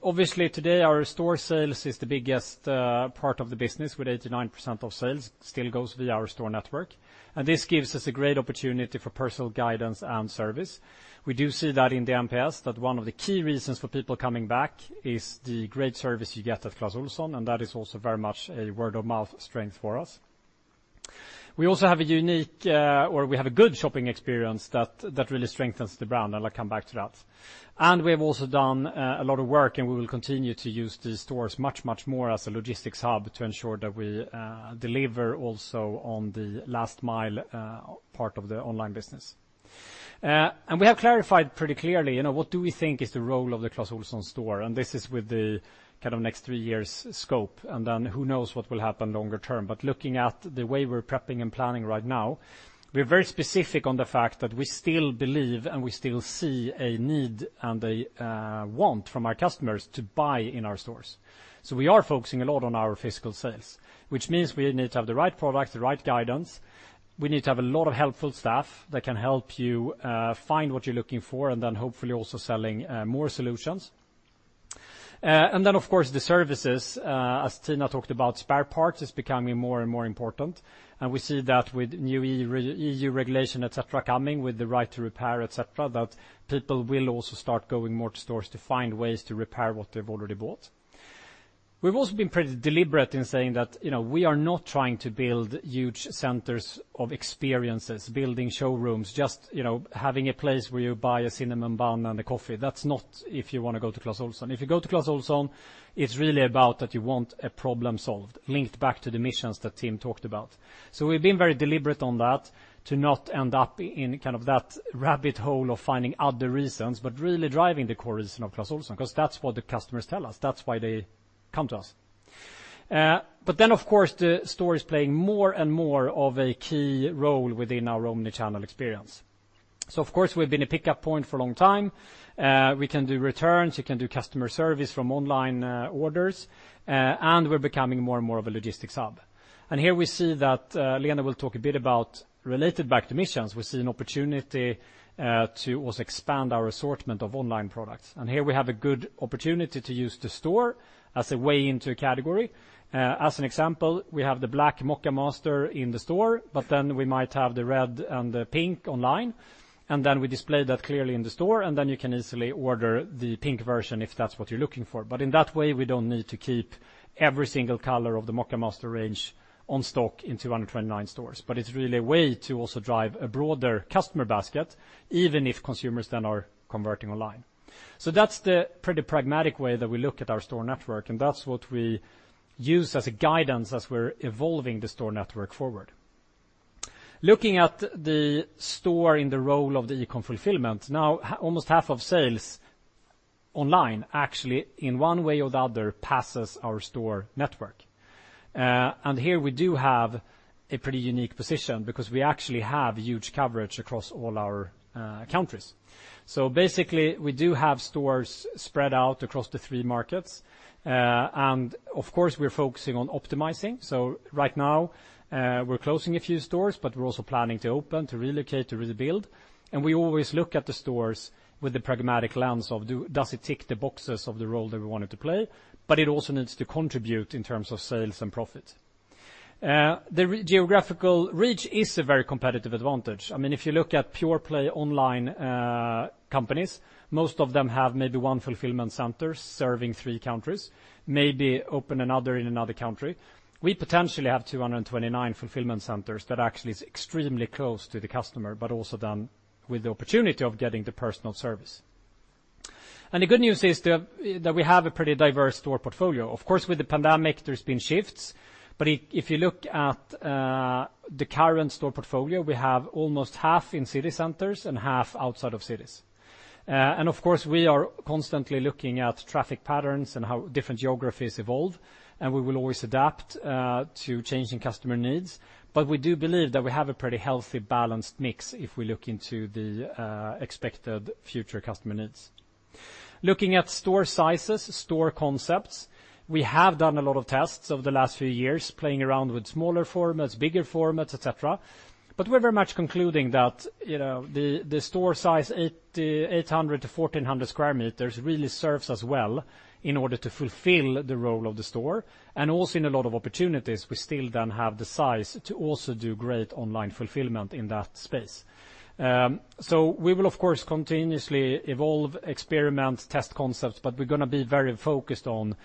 Obviously, today, our store sales is the biggest part of the business, with 89% of sales still goes via our store network, and this gives us a great opportunity for personal guidance and service. We do see that in the NPS, that one of the key reasons for people coming back is the great service you get at Clas Ohlson, and that is also very much a word-of-mouth strength for us. We also have a good shopping experience that really strengthens the brand, and I'll come back to that. We have also done a lot of work, and we will continue to use these stores much, much more as a logistics hub to ensure that we deliver also on the last mile part of the online business. We have clarified pretty clearly, you know, what do we think is the role of the Clas Ohlson store, and this is with the kind of next three years' scope, and then who knows what will happen longer term. Looking at the way we're prepping and planning right now, we're very specific on the fact that we still believe and we still see a need and a want from our customers to buy in our stores. We are focusing a lot on our physical sales, which means we need to have the right products, the right guidance. We need to have a lot of helpful staff that can help you find what you're looking for and then hopefully also selling more solutions. Of course, the services, as Tina talked about, spare parts is becoming more and more important. We see that with new EU regulation, et cetera, coming with the Right to Repair, et cetera, that people will also start going more to stores to find ways to repair what they've already bought. We've also been pretty deliberate in saying that, you know, we are not trying to build huge centers of experiences, building showrooms, just, you know, having a place where you buy a cinnamon bun and a coffee. That's not if you wanna go to Clas Ohlson. If you go to Clas Ohlson, it's really about that you want a problem solved, linked back to the missions that Tim talked about. We've been very deliberate on that to not end up in kind of that rabbit hole of finding other reasons, but really driving the core reason of Clas Ohlson because that's what the customers tell us. That's why they come to us. But then, of course, the store is playing more and more of a key role within our omnichannel experience. Of course, we've been a pickup point for a long time. We can do returns, you can do customer service from online orders, and we're becoming more and more of a logistics hub. Here we see that Lena will talk a bit about related back to missions. We see an opportunity to also expand our assortment of online products. Here we have a good opportunity to use the store as a way into a category. As an example, we have the black Moccamaster in the store, but then we might have the red and the pink online. Then we display that clearly in the store, and then you can easily order the pink version if that's what you're looking for. In that way, we don't need to keep every single color of the Moccamaster range on stock in 229 stores. It's really a way to also drive a broader customer basket, even if consumers then are converting online. That's the pretty pragmatic way that we look at our store network, and that's what we use as a guidance as we're evolving the store network forward. Looking at the store in the role of the e-com fulfillment, now almost half of sales online actually in one way or the other passes our store network. Here we do have a pretty unique position because we actually have huge coverage across all our countries. Basically, we do have stores spread out across the three markets. Of course, we're focusing on optimizing. Right now, we're closing a few stores, but we're also planning to open, to relocate, to rebuild. We always look at the stores with the pragmatic lens of does it tick the boxes of the role that we want it to play? It also needs to contribute in terms of sales and profit. The geographical reach is a very competitive advantage. I mean, if you look at pure play online companies, most of them have maybe one fulfillment center serving three countries, maybe open another in another country. We potentially have 229 fulfillment centers that actually is extremely close to the customer, but also then with the opportunity of getting the personal service. The good news is that we have a pretty diverse store portfolio. Of course, with the pandemic, there's been shifts. If you look at the current store portfolio, we have almost half in city centers and half outside of cities. Of course, we are constantly looking at traffic patterns and how different geographies evolve, and we will always adapt to changing customer needs. We do believe that we have a pretty healthy, balanced mix if we look into the expected future customer needs. Looking at store sizes, store concepts, we have done a lot of tests over the last few years, playing around with smaller formats, bigger formats, et cetera. We're very much concluding that, you know, the store size 800 to 1,400 square meters really serves us well in order to fulfill the role of the store. Also in a lot of opportunities, we still then have the size to also do great online fulfillment in that space. We will, of course, continuously evolve, experiment, test concepts, but we're gonna be very focused on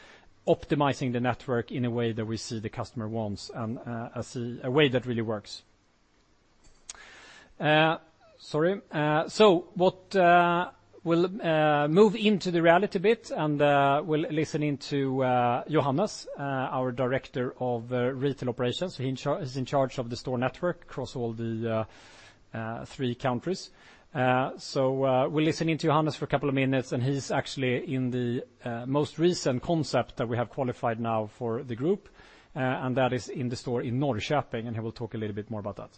optimizing the network in a way that we see the customer wants and a way that really works. We'll move into the reality bit and we'll listen in to Johannes, our Director of Retail Operations. He's in charge of the store network across all the three countries. We'll listen in to Johannes for a couple of minutes, and he's actually in the most recent concept that we have qualified now for the group, and that is in the store in Norrköping, and he will talk a little bit more about that.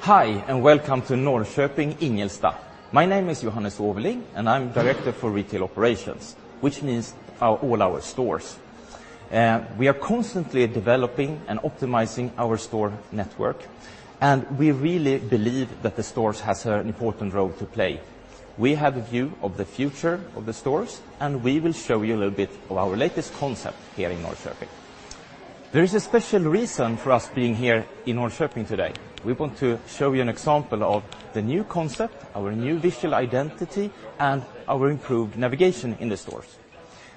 Hi, and welcome to Norrköping, Ingelsta. My name is Johannes Åverling, and I'm Director for retail operations, which means all our stores. We are constantly developing and optimizing our store network, and we really believe that the stores has an important role to play. We have a view of the future of the stores, and we will show you a little bit of our latest concept here in Norrköping. There is a special reason for us being here in Norrköping today. We want to show you an example of the new concept, our new visual identity, and our improved navigation in the stores.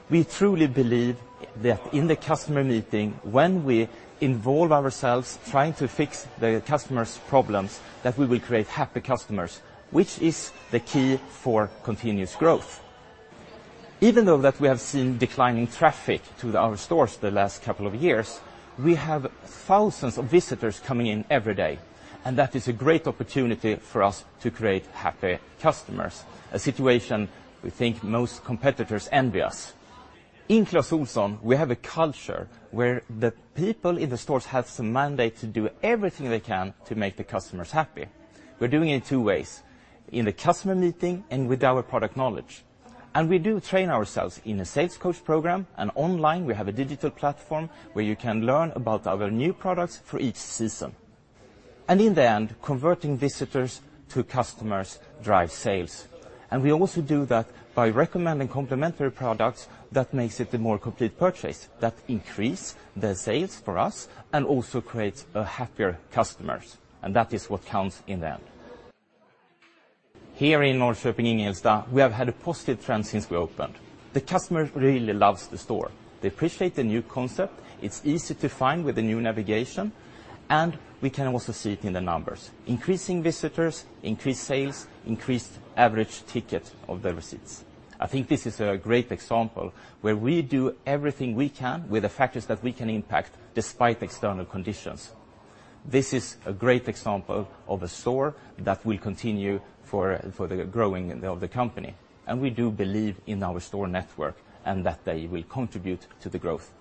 We truly believe that in the customer meeting, when we involve ourselves trying to fix the customer's problems, that we will create happy customers, which is the key for continuous growth. Even though that we have seen declining traffic to our stores the last couple of years, we have thousands of visitors coming in every day, and that is a great opportunity for us to create happy customers, a situation we think most competitors envy us. In Clas Ohlson, we have a culture where the people in the stores have some mandate to do everything they can to make the customers happy. We're doing it two ways, in the customer meeting and with our product knowledge. We do train ourselves in a sales coach program, and online we have a digital platform where you can learn about our new products for each season. In the end, converting visitors to customers drives sales. We also do that by recommending complementary products that makes it the more complete purchase, that increase the sales for us and also creates happier customers, and that is what counts in the end. Here in Norrköping Ingelsta, we have had a positive trend since we opened. The customer really loves the store. They appreciate the new concept. It's easy to find with the new navigation, and we can also see it in the numbers. Increasing visitors, increased sales, increased average ticket of the receipts. I think this is a great example where we do everything we can with the factors that we can impact despite external conditions. This is a great example of a store that will continue for the growing of the company. We do believe in our store network and that they will contribute to the growth.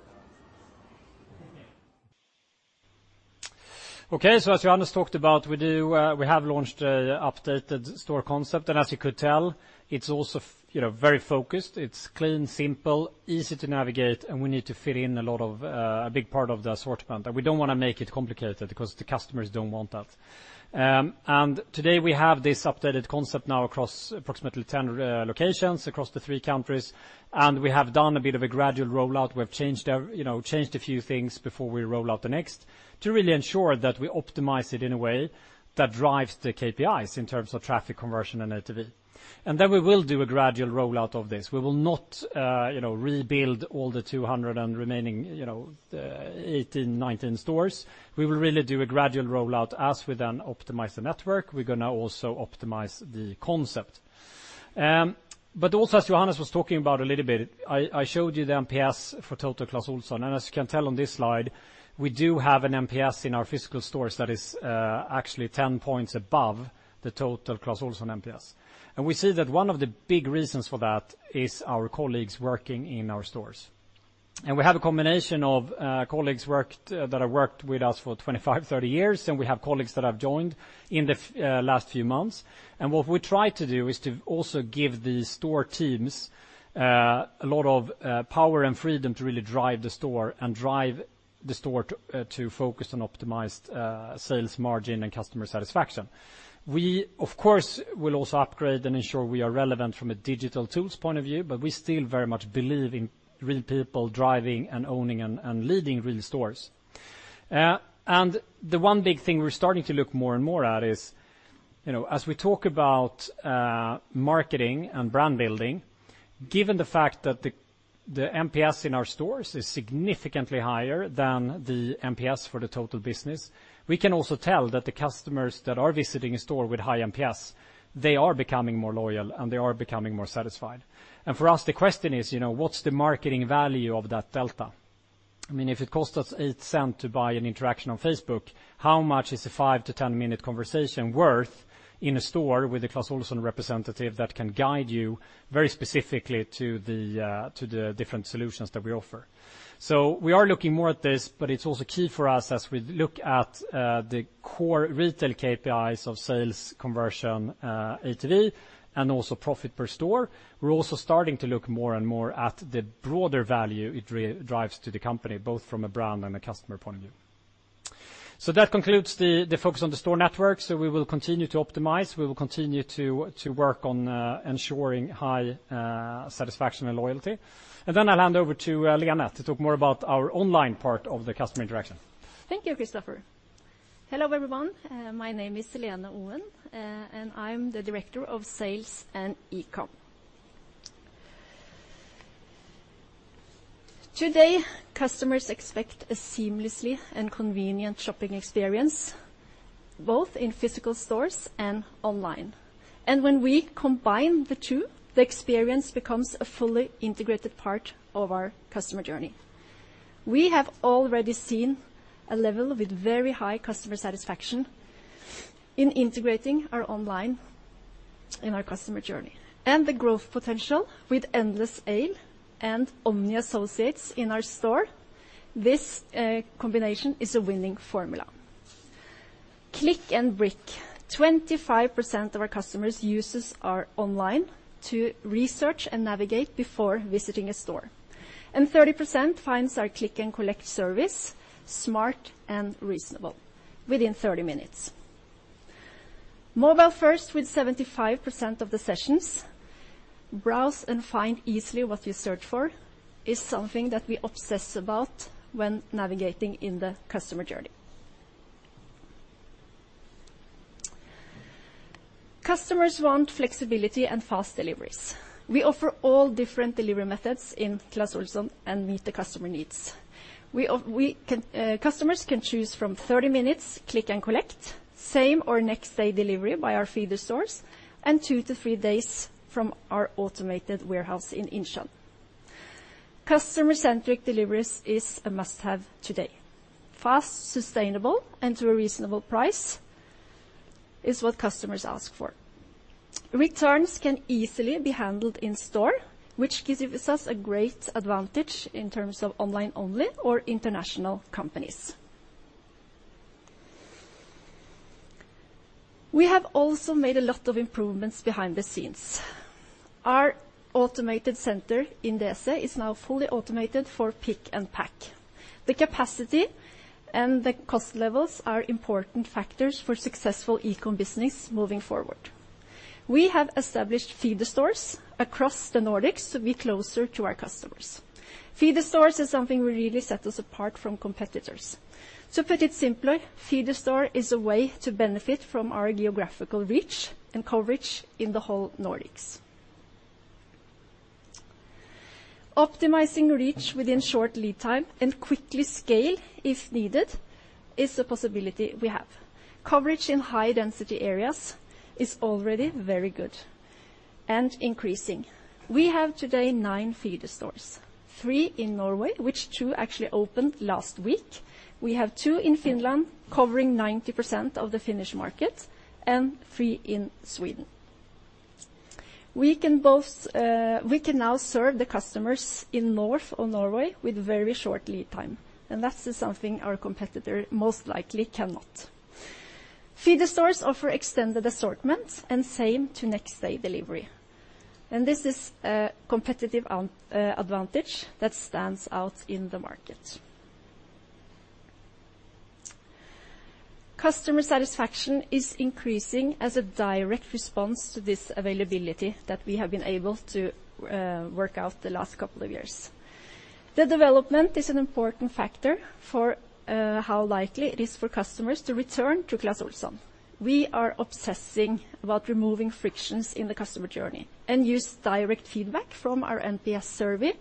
Okay. As Johannes talked about, we do, we have launched updated store concept. As you could tell, it's also you know very focused. It's clean, simple, easy to navigate, and we need to fit in a lot of a big part of the assortment. We don't wanna make it complicated because the customers don't want that. Today we have this updated concept now across approximately 10 locations across the three countries, and we have done a bit of a gradual rollout. We've, you know, changed a few things before we roll out the next to really ensure that we optimize it in a way that drives the KPIs in terms of traffic conversion and ATV. Then we will do a gradual rollout of this. We will not rebuild all the 200 and remaining 18, 19 stores. We will really do a gradual rollout as we then optimize the network. We're gonna also optimize the concept. Also as Johannes was talking about a little bit, I showed you the NPS for total Clas Ohlson. As you can tell on this slide, we do have an NPS in our physical stores that is actually 10 points above the total Clas Ohlson NPS. We see that one of the big reasons for that is our colleagues working in our stores. We have a combination of colleagues that have worked with us for 25, 30 years, and we have colleagues that have joined in the last few months. What we try to do is to also give the store teams a lot of power and freedom to really drive the store to focus on optimized sales margin and customer satisfaction. We, of course, will also upgrade and ensure we are relevant from a digital tools point of view, but we still very much believe in real people driving and owning and leading real stores. The one big thing we're starting to look more and more at is, you know, as we talk about marketing and brand building, given the fact that the NPS in our stores is significantly higher than the NPS for the total business, we can also tell that the customers that are visiting a store with high NPS, they are becoming more loyal, and they are becoming more satisfied. For us, the question is, you know, what's the marketing value of that delta? I mean, if it costs us $0.08 to buy an interaction on Facebook, how much is a five to 10 minute conversation worth in a store with a Clas Ohlson representative that can guide you very specifically to the different solutions that we offer? We are looking more at this, but it's also key for us as we look at the core retail KPIs of sales conversion, ATV, and also profit per store. We're also starting to look more and more at the broader value it re-drives to the company, both from a brand and a customer point of view. That concludes the focus on the store network. We will continue to optimize. We will continue to work on ensuring high satisfaction and loyalty. I'll hand over to Lene to talk more about our online part of the customer interaction. Thank you, Kristofer. Hello, everyone. My name is Lene Oen, and I'm the director of Sales and E-com. Today, customers expect a seamless and convenient shopping experience both in physical stores and online. When we combine the two, the experience becomes a fully integrated part of our customer journey. We have already seen a level with very high customer satisfaction in integrating our online in our customer journey. The growth potential with endless aisle and omnichannel associates in our store, this combination is a winning formula. Clicks and bricks. 25% of our customers uses our online to research and navigate before visiting a store. 30% finds our click and collect service smart and reasonable within 30 minutes. Mobile first with 75% of the sessions. Browse and find easily what you search for is something that we obsess about when navigating in the customer journey. Customers want flexibility and fast deliveries. We offer all different delivery methods in Clas Ohlson and meet the customer needs. Customers can choose from 30 minutes click and collect, same or next day delivery by our feeder stores, and 2 to 3 days from our automated warehouse in Insjön. Customer-centric deliveries is a must-have today. Fast, sustainable, and to a reasonable price is what customers ask for. Returns can easily be handled in store, which gives us a great advantage in terms of online only or international companies. We have also made a lot of improvements behind the scenes. Our automated center in Insjön is now fully automated for pick and pack. The capacity and the cost levels are important factors for successful e-com business moving forward. We have established feeder stores across the Nordics to be closer to our customers. Feeder stores is something really sets us apart from competitors. To put it simpler, feeder store is a way to benefit from our geographical reach and coverage in the whole Nordics. Optimizing reach within short lead time and quickly scale if needed is a possibility we have. Coverage in high density areas is already very good and increasing. We have today nine feeder stores, three in Norway, which two actually opened last week. We have two in Finland covering 90% of the Finnish market, and three in Sweden. We can now serve the customers in north of Norway with very short lead time, and that's something our competitor most likely cannot. Feeder stores offer extended assortments and same to next day delivery, and this is a competitive advantage that stands out in the market. Customer satisfaction is increasing as a direct response to this availability that we have been able to work out the last couple of years. The development is an important factor for how likely it is for customers to return to Clas Ohlson. We are obsessing about removing frictions in the customer journey and use direct feedback from our NPS survey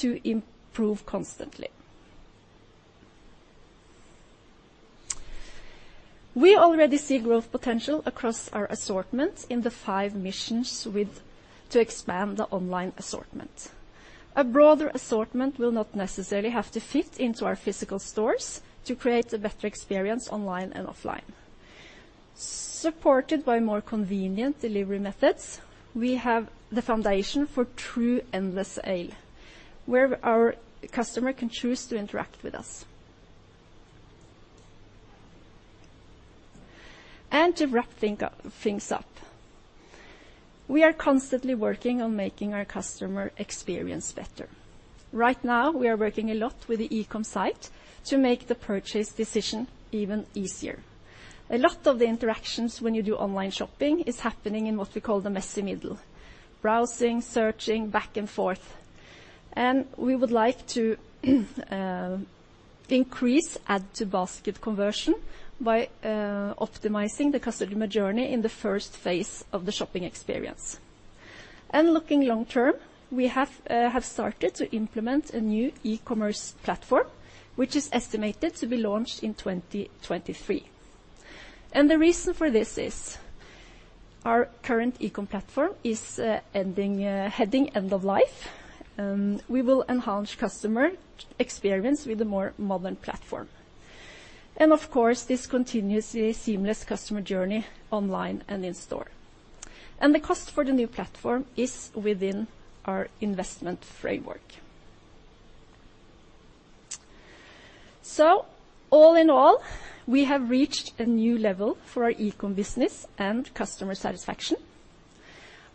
to improve constantly. We already see growth potential across our assortment in the five missions to expand the online assortment. A broader assortment will not necessarily have to fit into our physical stores to create a better experience online and offline. Supported by more convenient delivery methods, we have the foundation for true endless aisle where our customer can choose to interact with us. To wrap things up, we are constantly working on making our customer experience better. Right now, we are working a lot with the e-com site to make the purchase decision even easier. A lot of the interactions when you do online shopping is happening in what we call the messy middle, browsing, searching, back and forth. We would like to increase add to basket conversion by optimizing the customer journey in the first phase of the shopping experience. Looking long term, we have started to implement a new e-commerce platform, which is estimated to be launched in 2023. The reason for this is our current e-com platform is ending heading end of life, and we will enhance customer experience with a more modern platform. Of course, this continues the seamless customer journey online and in store. The cost for the new platform is within our investment framework. All in all, we have reached a new level for our e-com business and customer satisfaction.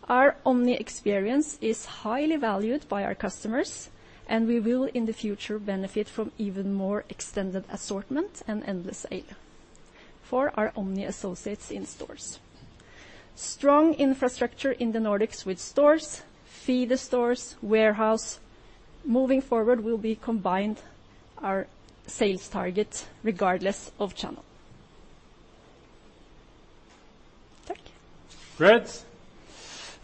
Our omni experience is highly valued by our customers, and we will in the future benefit from even more extended assortment and endless aisle for our omnichannel associate in stores. Strong infrastructure in the Nordics with stores, feeder stores, warehouse. Moving forward, we'll combine our sales target regardless of channel. Takk. Great.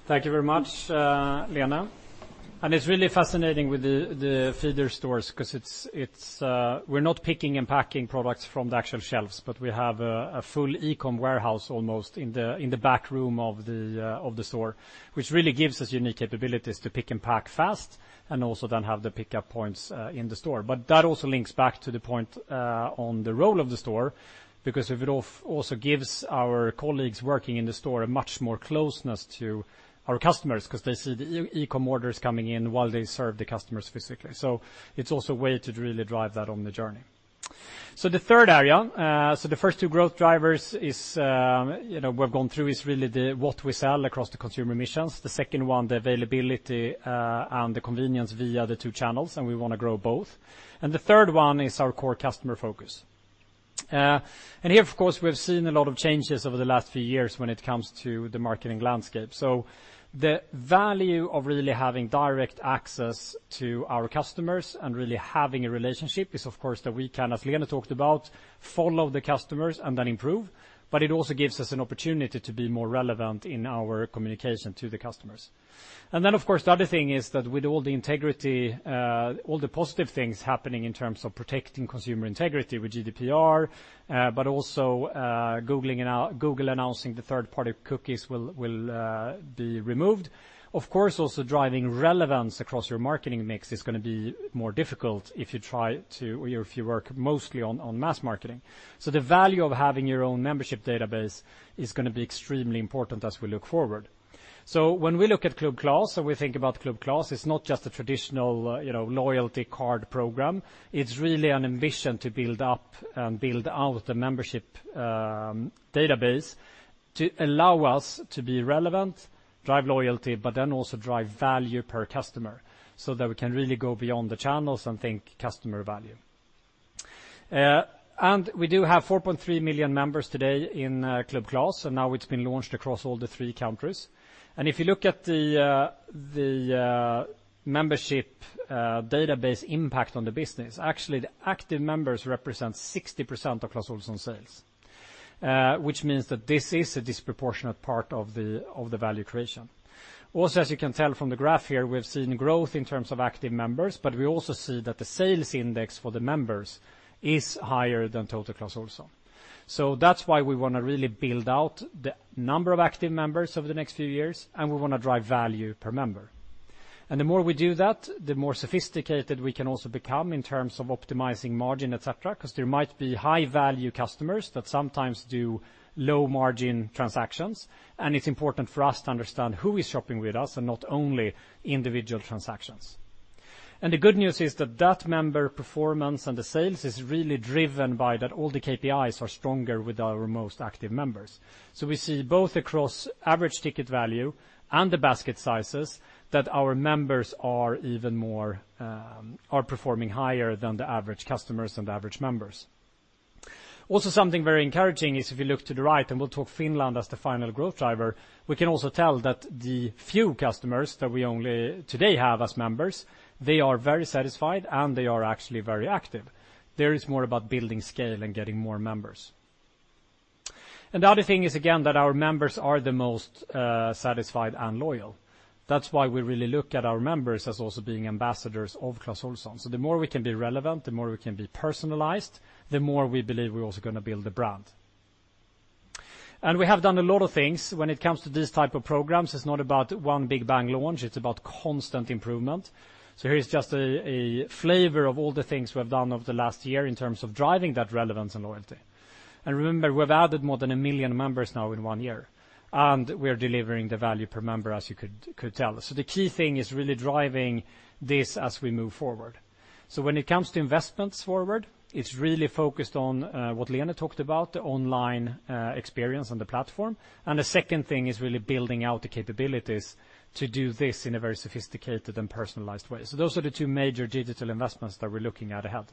Thank you very much, Lena. It's really fascinating with the feeder stores 'cause it's. We're not picking and packing products from the actual shelves, but we have a full e-com warehouse almost in the back room of the store, which really gives us unique capabilities to pick and pack fast and also then have the pickup points in the store. That also links back to the point on the role of the store because it also gives our colleagues working in the store a much more closeness to our customers 'cause they see the e-com orders coming in while they serve the customers physically. It's also a way to really drive that on the journey. The third area, the first two growth drivers is, you know, we've gone through is really what we sell across the consumer missions. The second one, the availability, and the convenience via the two channels, and we wanna grow both. The third one is our core customer focus, and here, of course, we have seen a lot of changes over the last few years when it comes to the marketing landscape. The value of really having direct access to our customers and really having a relationship is, of course, that we can, as Lena talked about, follow the customers and then improve, but it also gives us an opportunity to be more relevant in our communication to the customers. Of course, the other thing is that with all the integrity, all the positive things happening in terms of protecting consumer integrity with GDPR, but also, Google announcing the third-party cookies will be removed. Of course, also driving relevance across your marketing mix is gonna be more difficult if you try to or if you work mostly on mass marketing. The value of having your own membership database is gonna be extremely important as we look forward. When we look at Club Clas, so we think about Club Clas, it's not just a traditional, you know, loyalty card program. It's really an ambition to build up and build out the membership database to allow us to be relevant, drive loyalty, but then also drive value per customer so that we can really go beyond the channels and think customer value. We do have 4.3 million members today in Club Clas, and now it's been launched across all three countries. If you look at the membership database impact on the business, actually the active members represent 60% of Clas Ohlson sales, which means that this is a disproportionate part of the value creation. Also, as you can tell from the graph here, we've seen growth in terms of active members, but we also see that the sales index for the members is higher than total Clas Ohlson. That's why we wanna really build out the number of active members over the next few years, and we wanna drive value per member. The more we do that, the more sophisticated we can also become in terms of optimizing margin, et cetera, 'cause there might be high-value customers that sometimes do low-margin transactions, and it's important for us to understand who is shopping with us and not only individual transactions. The good news is that that member performance and the sales is really driven by that all the KPIs are stronger with our most active members. We see both across average ticket value and the basket sizes that our members are even more are performing higher than the average customers and average members. Also, something very encouraging is if you look to the right, and we'll talk about Finland as the final growth driver. We can also tell that the few customers that we only today have as members, they are very satisfied, and they are actually very active. There is more about building scale and getting more members. The other thing is, again, that our members are the most satisfied and loyal. That's why we really look at our members as also being ambassadors of Clas Ohlson. The more we can be relevant, the more we can be personalized, the more we believe we're also gonna build the brand. We have done a lot of things when it comes to these type of programs. It's not about one big bang launch. It's about constant improvement. Here's just a flavor of all the things we have done over the last year in terms of driving that relevance and loyalty. Remember, we've added more than 1 million members now in one year, and we are delivering the value per member, as you could tell. The key thing is really driving this as we move forward. When it comes to investments forward, it's really focused on what Lena talked about, the online experience on the platform, and the second thing is really building out the capabilities to do this in a very sophisticated and personalized way. Those are the two major digital investments that we're looking at ahead.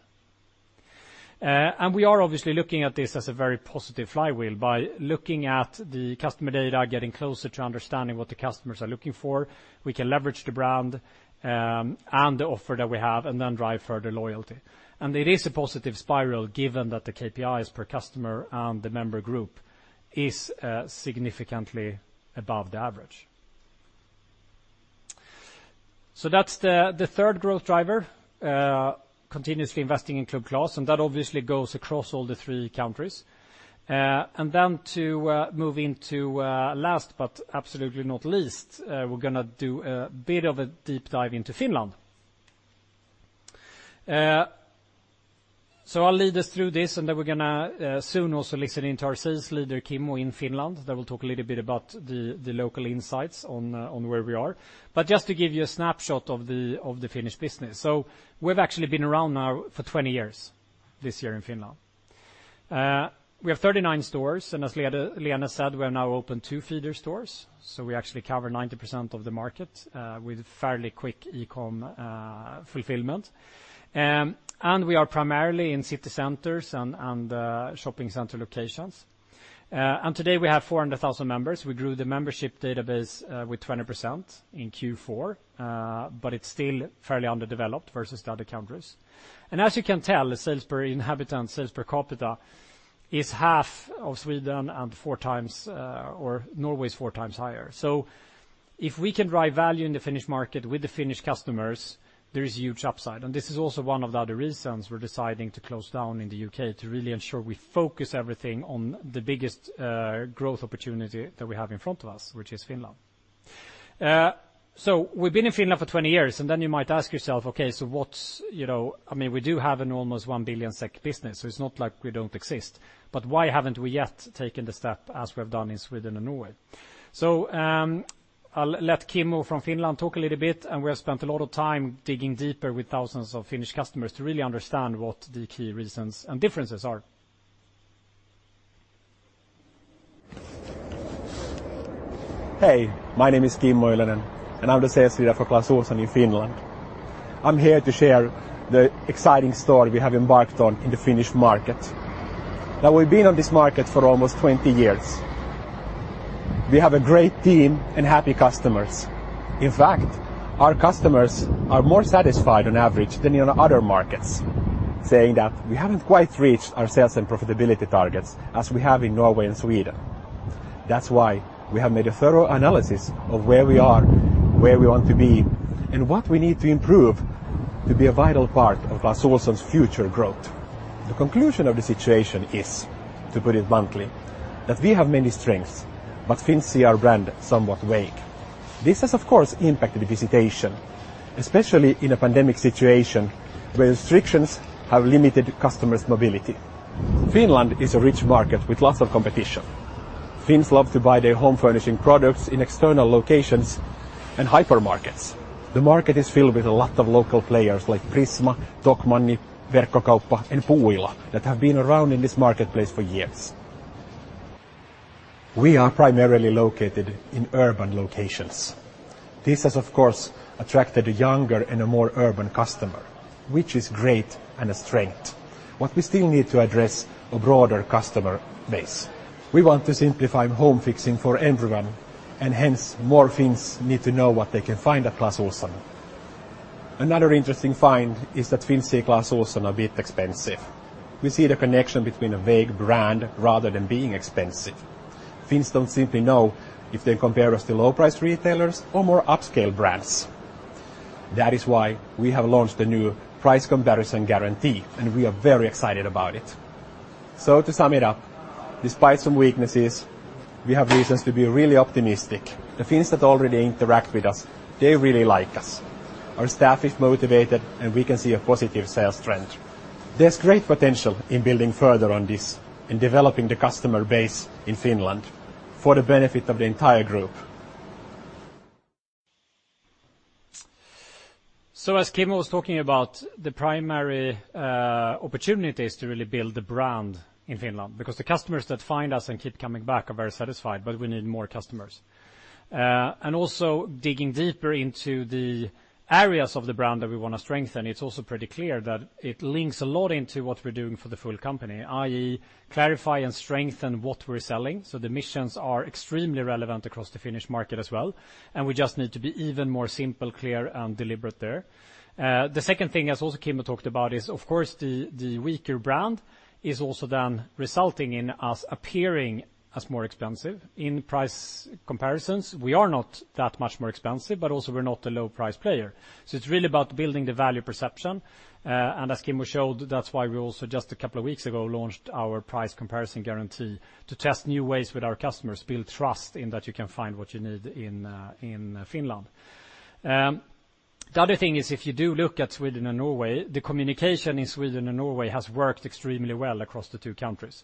We are obviously looking at this as a very positive flywheel. By looking at the customer data, getting closer to understanding what the customers are looking for, we can leverage the brand, and the offer that we have and then drive further loyalty. It is a positive spiral given that the KPIs per customer and the member group is significantly above the average. That's the third growth driver, continuously investing in Club Clas, and that obviously goes across all the three countries. Then to move into last but absolutely not least, we're gonna do a bit of a deep dive into Finland. I'll lead us through this, and then we're gonna soon also listen in to our sales leader, Kimmo, in Finland, that will talk a little bit about the local insights on where we are. Just to give you a snapshot of the Finnish business. We've actually been around now for 20 years this year in Finland. We have 39 stores, and as Lena said, we have now opened 2 feeder stores, so we actually cover 90% of the market with fairly quick e-com fulfillment. We are primarily in city centers and shopping center locations. Today we have 400,000 members. We grew the membership database with 20% in Q4, but it's still fairly underdeveloped versus the other countries. As you can tell, sales per inhabitant, sales per capita is half of Sweden and four times, or Norway's four times higher. If we can drive value in the Finnish market with the Finnish customers, there is huge upside. This is also one of the other reasons we're deciding to close down in the UK to really ensure we focus everything on the biggest, growth opportunity that we have in front of us, which is Finland. We've been in Finland for 20 years, and then you might ask yourself, okay, so what's, you know, I mean, we do have an almost 1 billion SEK business, so it's not like we don't exist. Why haven't we yet taken the step as we have done in Sweden and Norway? I'll let Kimmo from Finland talk a little bit, and we have spent a lot of time digging deeper with thousands of Finnish customers to really understand what the key reasons and differences are. Hey, my name is Kimmo Ylönen, and I'm the CS leader for Clas Ohlson in Finland. I'm here to share the exciting story we have embarked on in the Finnish market. Now, we've been on this market for almost 20 years. We have a great team and happy customers. In fact, our customers are more satisfied on average than in other markets. Saying that, we haven't quite reached our sales and profitability targets as we have in Norway and Sweden. That's why we have made a thorough analysis of where we are, where we want to be, and what we need to improve to be a vital part of Clas Ohlson's future growth. The conclusion of the situation is, to put it mildly, that we have many strengths, but Finns see our brand somewhat vague. This has, of course, impacted the visitation, especially in a pandemic situation where restrictions have limited customers' mobility. Finland is a rich market with lots of competition. Finns love to buy their home furnishing products in external locations and hypermarkets. The market is filled with a lot of local players like Prisma, Tokmanni, Verkkokauppa.com, and Puuilo that have been around in this marketplace for years. We are primarily located in urban locations. This has, of course, attracted a younger and a more urban customer, which is great and a strength. What we still need to address, a broader customer base. We want to simplify home fixing for everyone, and hence, more Finns need to know what they can find at Clas Ohlson. Another interesting find is that Finns see Clas Ohlson a bit expensive. We see the connection between a vague brand rather than being expensive. Finns don't simply know if they compare us to low-price retailers or more upscale brands. That is why we have launched a new price comparison guarantee, and we are very excited about it. To sum it up, despite some weaknesses, we have reasons to be really optimistic. The Finns that already interact with us, they really like us. Our staff is motivated, and we can see a positive sales trend. There's great potential in building further on this and developing the customer base in Finland for the benefit of the entire group. As Kimmo was talking about, the primary opportunity is to really build the brand in Finland because the customers that find us and keep coming back are very satisfied, but we need more customers. Also digging deeper into the areas of the brand that we wanna strengthen, it's also pretty clear that it links a lot into what we're doing for the full company, i.e., clarify and strengthen what we're selling. The missions are extremely relevant across the Finnish market as well, and we just need to be even more simple, clear, and deliberate there. The second thing, as also Kimmo talked about, is, of course, the weaker brand is also then resulting in us appearing as more expensive. In price comparisons, we are not that much more expensive, but also we're not a low price player. It's really about building the value perception. As Kimmo showed, that's why we also just a couple of weeks ago launched our price comparison guarantee to test new ways with our customers, build trust in that you can find what you need in Finland. The other thing is if you do look at Sweden and Norway, the communication in Sweden and Norway has worked extremely well across the two countries.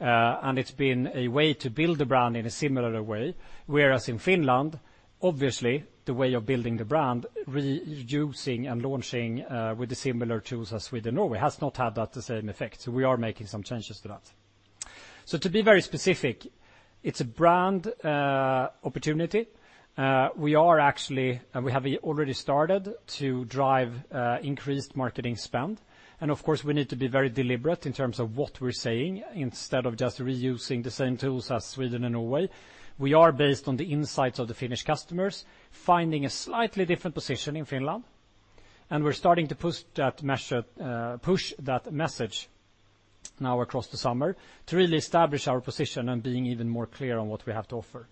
It's been a way to build the brand in a similar way. Whereas in Finland, obviously, the way of building the brand, reusing and launching with the similar tools as Sweden and Norway has not had the same effect. We are making some changes to that. To be very specific, it's a brand opportunity. We have already started to drive increased marketing spend. Of course, we need to be very deliberate in terms of what we're saying instead of just reusing the same tools as Sweden and Norway. We are based on the insights of the Finnish customers, finding a slightly different position in Finland, and we're starting to push that message now across the summer to really establish our position and being even more clear on what we have to offer.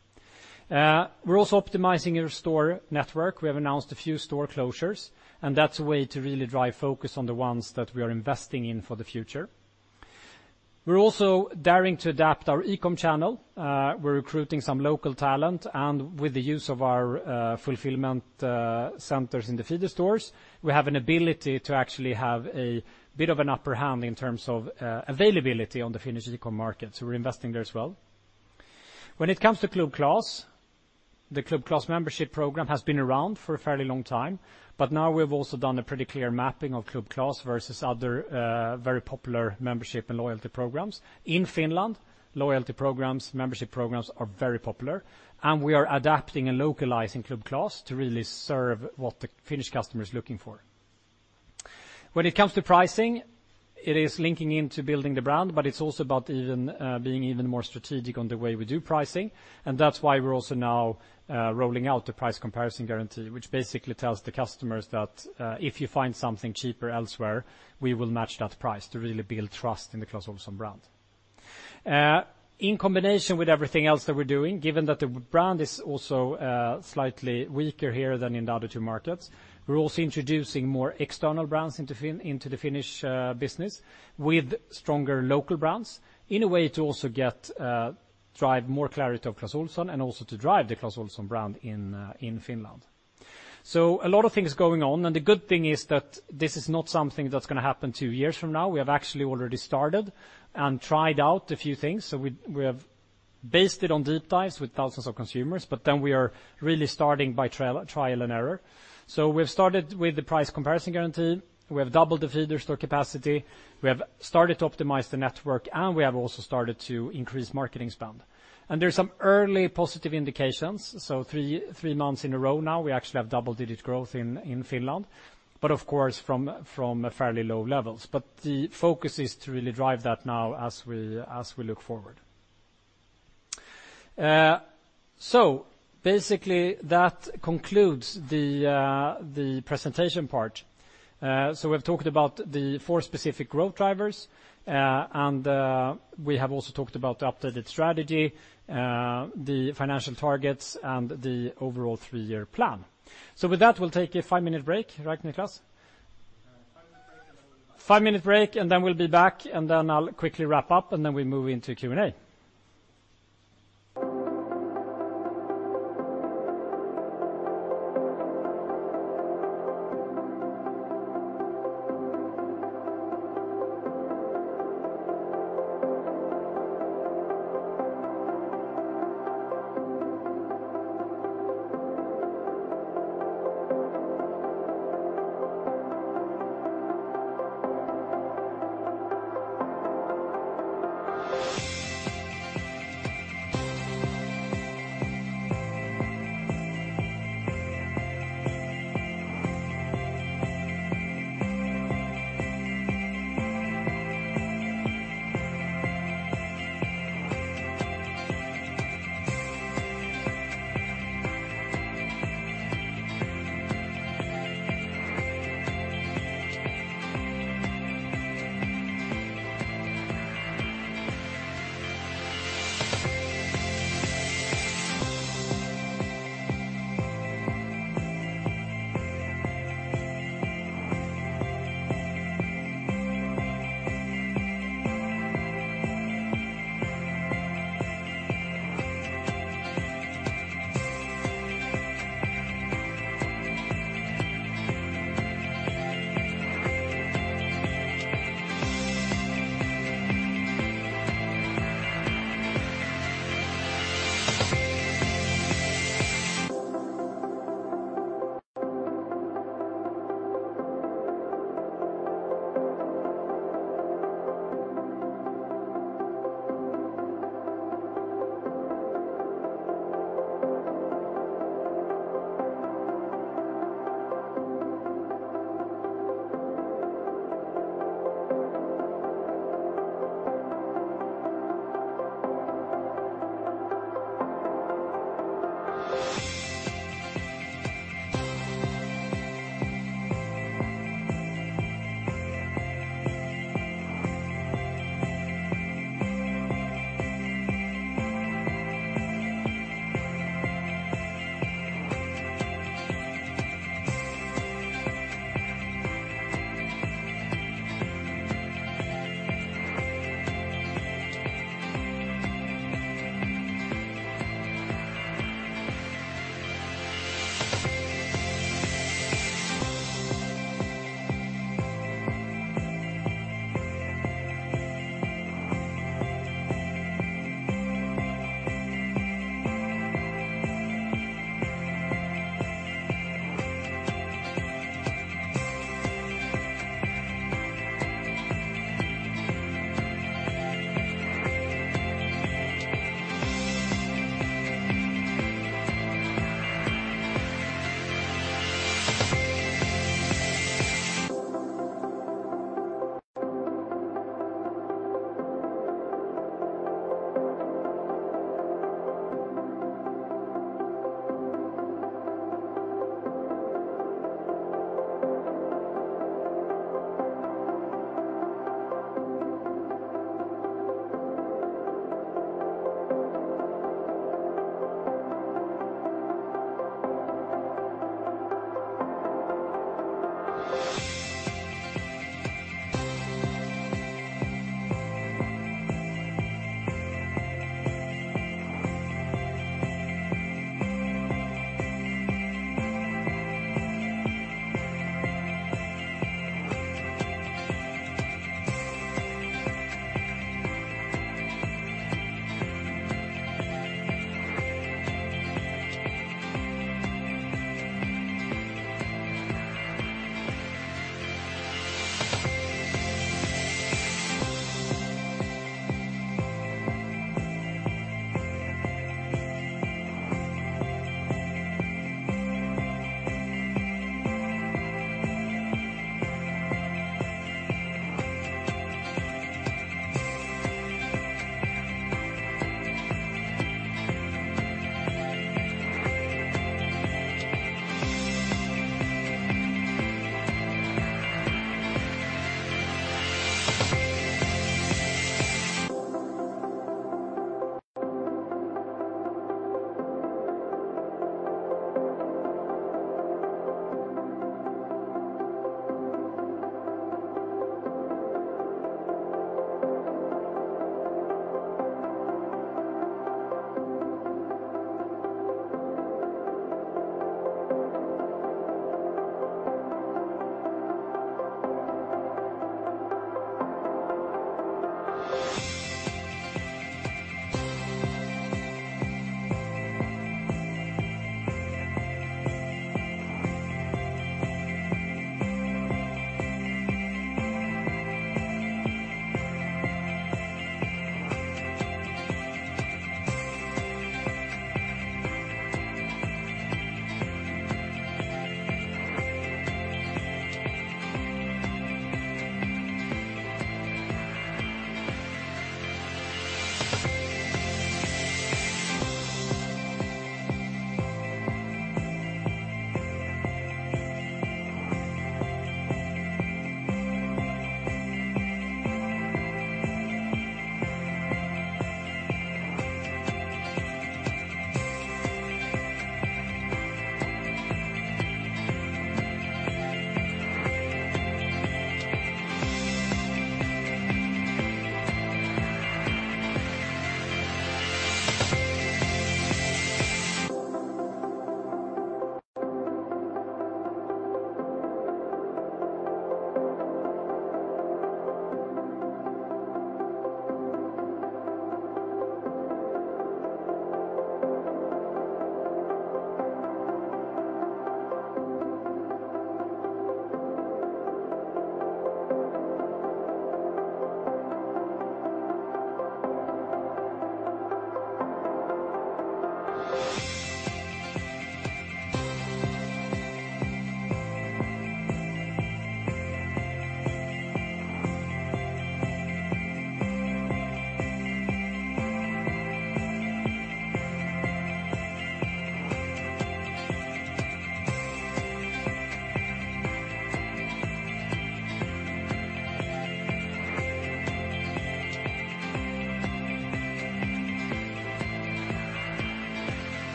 We're also optimizing our store network. We have announced a few store closures, and that's a way to really drive focus on the ones that we are investing in for the future. We're also daring to adapt our e-com channel. We're recruiting some local talent, and with the use of our fulfillment centers in the feeder stores, we have an ability to actually have a bit of an upper hand in terms of availability on the Finnish e-com market. We're investing there as well. When it comes to Club Clas, the Club Clas membership program has been around for a fairly long time, but now we've also done a pretty clear mapping of Club Clas versus other very popular membership and loyalty programs. In Finland, loyalty programs, membership programs are very popular, and we are adapting and localizing Club Clas to really serve what the Finnish customer is looking for. When it comes to pricing, it is linking into building the brand, but it's also about even being even more strategic on the way we do pricing. That's why we're also now rolling out the price comparison guarantee, which basically tells the customers that if you find something cheaper elsewhere, we will match that price to really build trust in the Clas Ohlson brand. In combination with everything else that we're doing, given that the brand is also slightly weaker here than in the other two markets, we're also introducing more external brands into the Finnish business with stronger local brands in a way to also get drive more clarity of Clas Ohlson and also to drive the Clas Ohlson brand in Finland. A lot of things going on, and the good thing is that this is not something that's gonna happen two years from now. We have actually already started and tried out a few things. We have based it on deep dives with thousands of consumers, but then we are really starting with trial and error. We've started with the price comparison guarantee. We have doubled the feeder store capacity. We have started to optimize the network, and we have also started to increase marketing spend. There's some early positive indications. Three months in a row now, we actually have double-digit growth in Finland, but of course from fairly low levels. The focus is to really drive that now as we look forward. Basically, that concludes the presentation part. We've talked about the four specific growth drivers, and we have also talked about the updated strategy, the financial targets, and the overall three-year plan. With that, we'll take a five-minute break, right, Niklas? Five-minute break, and then we'll be back, and then I'll quickly wrap up, and then we move into Q&A.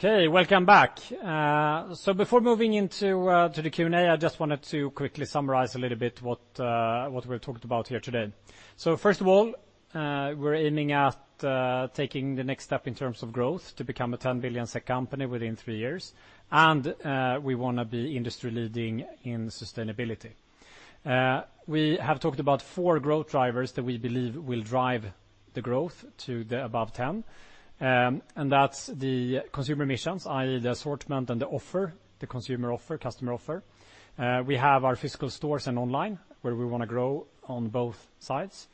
Okay, welcome back. Before moving into the Q&A, I just wanted to quickly summarize a little bit what we've talked about here today. First of all, we're aiming at taking the next step in terms of growth to become a 10 billion SEK company within three years, and we wanna be industry-leading in sustainability. We have talked about four growth drivers that we believe will drive the growth to above 10, and that's the consumer missions, i.e., the assortment and the offer, the consumer offer, customer offer. We have our physical stores and online where we wanna grow on both sides.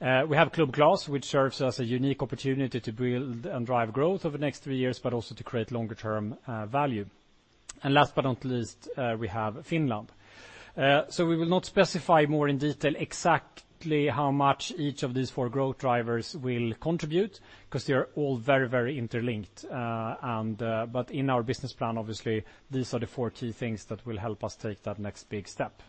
We have Club Clas, which serves as a unique opportunity to build and drive growth over the next three years but also to create longer-term value. Last but not least, we have Finland. We will not specify more in detail exactly how much each of these four growth drivers will contribute because they are all very, very interlinked. In our business plan obviously these are the four key things that will help us take that next big step.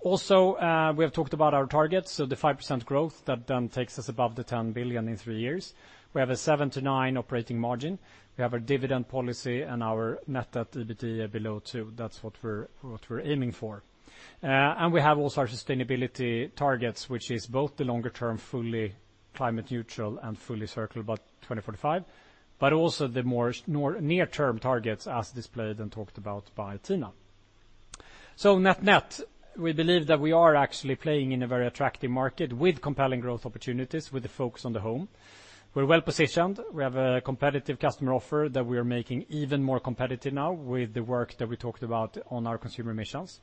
Also, we have talked about our targets, so the 5% growth that then takes us above the 10 billion in three years. We have a 7%-9% operating margin. We have our dividend policy and our net debt/EBITDA below two. That's what we're aiming for. We have also our sustainability targets, which is both the longer term fully climate neutral and fully circular by 2045, but also the more near term targets as displayed and talked about by Tina. Net-net, we believe that we are actually playing in a very attractive market with compelling growth opportunities with the focus on the home. We're well-positioned. We have a competitive customer offer that we are making even more competitive now with the work that we talked about on our consumer missions.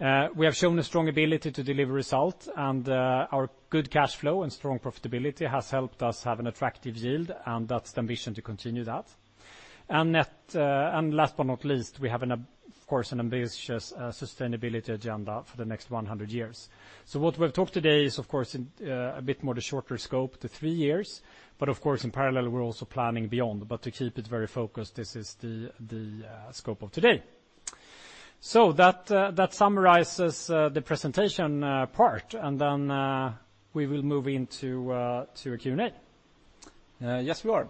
We have shown a strong ability to deliver result and, our good cash flow and strong profitability has helped us have an attractive yield, and that's the ambition to continue that. Net, last but not least, we have, of course, an ambitious sustainability agenda for the next 100 years. What we've talked today is of course in a bit more the shorter scope, the three years, but of course in parallel we're also planning beyond. To keep it very focused, this is the scope of today. That summarizes the presentation part, and then we will move into to a Q&A. Yes, we are.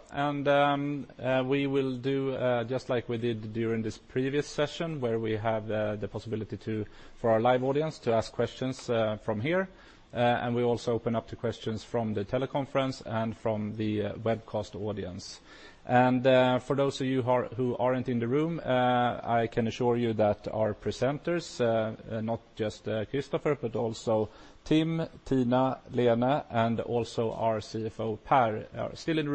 We will do just like we did during this previous session where we have the possibility to for our live audience to ask questions from here. We also open up to questions from the teleconference and from the webcast audience. For those of you who aren't in the room, I can assure you that our presenters, not just Kristofer Tonström, but also Tim Heier, Tina Englyst, Lena, and also our CFO, Pär Christiansen, are still in the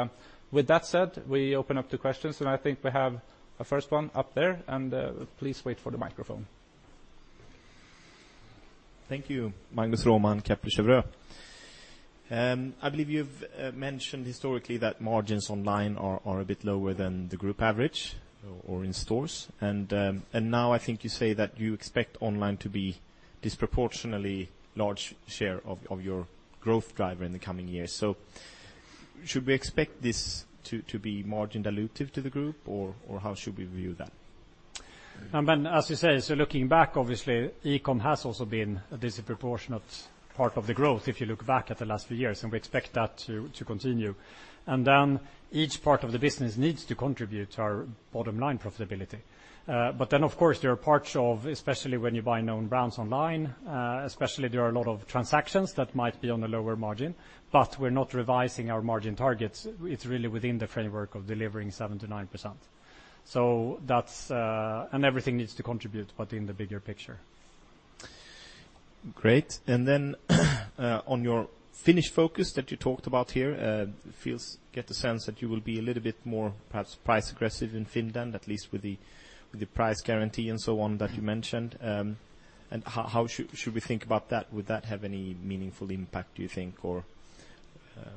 room. With that said, we open up to questions, and I think we have a first one up there. Please wait for the microphone. Thank you. Magnus Roman. I believe you've mentioned historically that margins online are a bit lower than the group average or in stores. Now I think you say that you expect online to be disproportionately large share of your growth driver in the coming years. Should we expect this to be margin dilutive to the group or how should we view that? Looking back obviously, e-com has also been a disproportionate part of the growth if you look back at the last few years, and we expect that to continue. Each part of the business needs to contribute to our bottom line profitability. But of course there are parts of, especially when you buy known brands online, especially there are a lot of transactions that might be on a lower margin, but we're not revising our margin targets. It's really within the framework of delivering 7%-9%. Everything needs to contribute but in the bigger picture. Great. On your Finnish focus that you talked about here, get the sense that you will be a little bit more perhaps price aggressive in Finland, at least with the price guarantee and so on that you mentioned. How should we think about that? Would that have any meaningful impact, do you think? Or,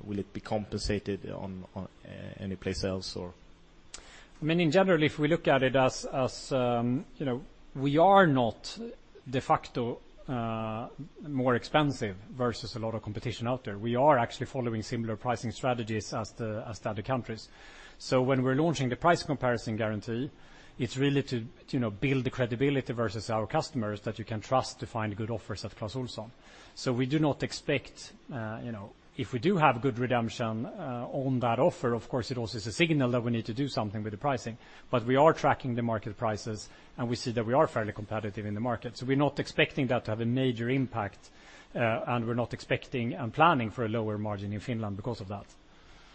will it be compensated on anyplace else or? I mean, in general, if we look at it, you know, we are not de facto more expensive versus a lot of competition out there. We are actually following similar pricing strategies as the other countries. When we're launching the price comparison guarantee, it's really to you know build the credibility versus our customers that you can trust to find good offers at Clas Ohlson. We do not expect, you know, if we do have good redemption on that offer, of course it also is a signal that we need to do something with the pricing. We are tracking the market prices, and we see that we are fairly competitive in the market. We're not expecting that to have a major impact, and we're not expecting and planning for a lower margin in Finland because of that.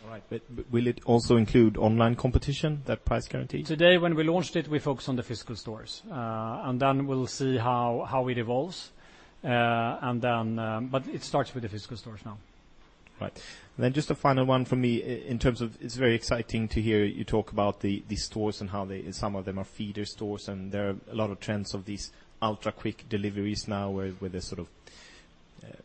All right. Will it also include online competition, that price guarantee? Today when we launched it, we focused on the physical stores. We'll see how it evolves. It starts with the physical stores now. Right. Just a final one from me. In terms of it's very exciting to hear you talk about the stores and how they, some of them are feeder stores, and there are a lot of trends of these ultra-quick deliveries now where the sort of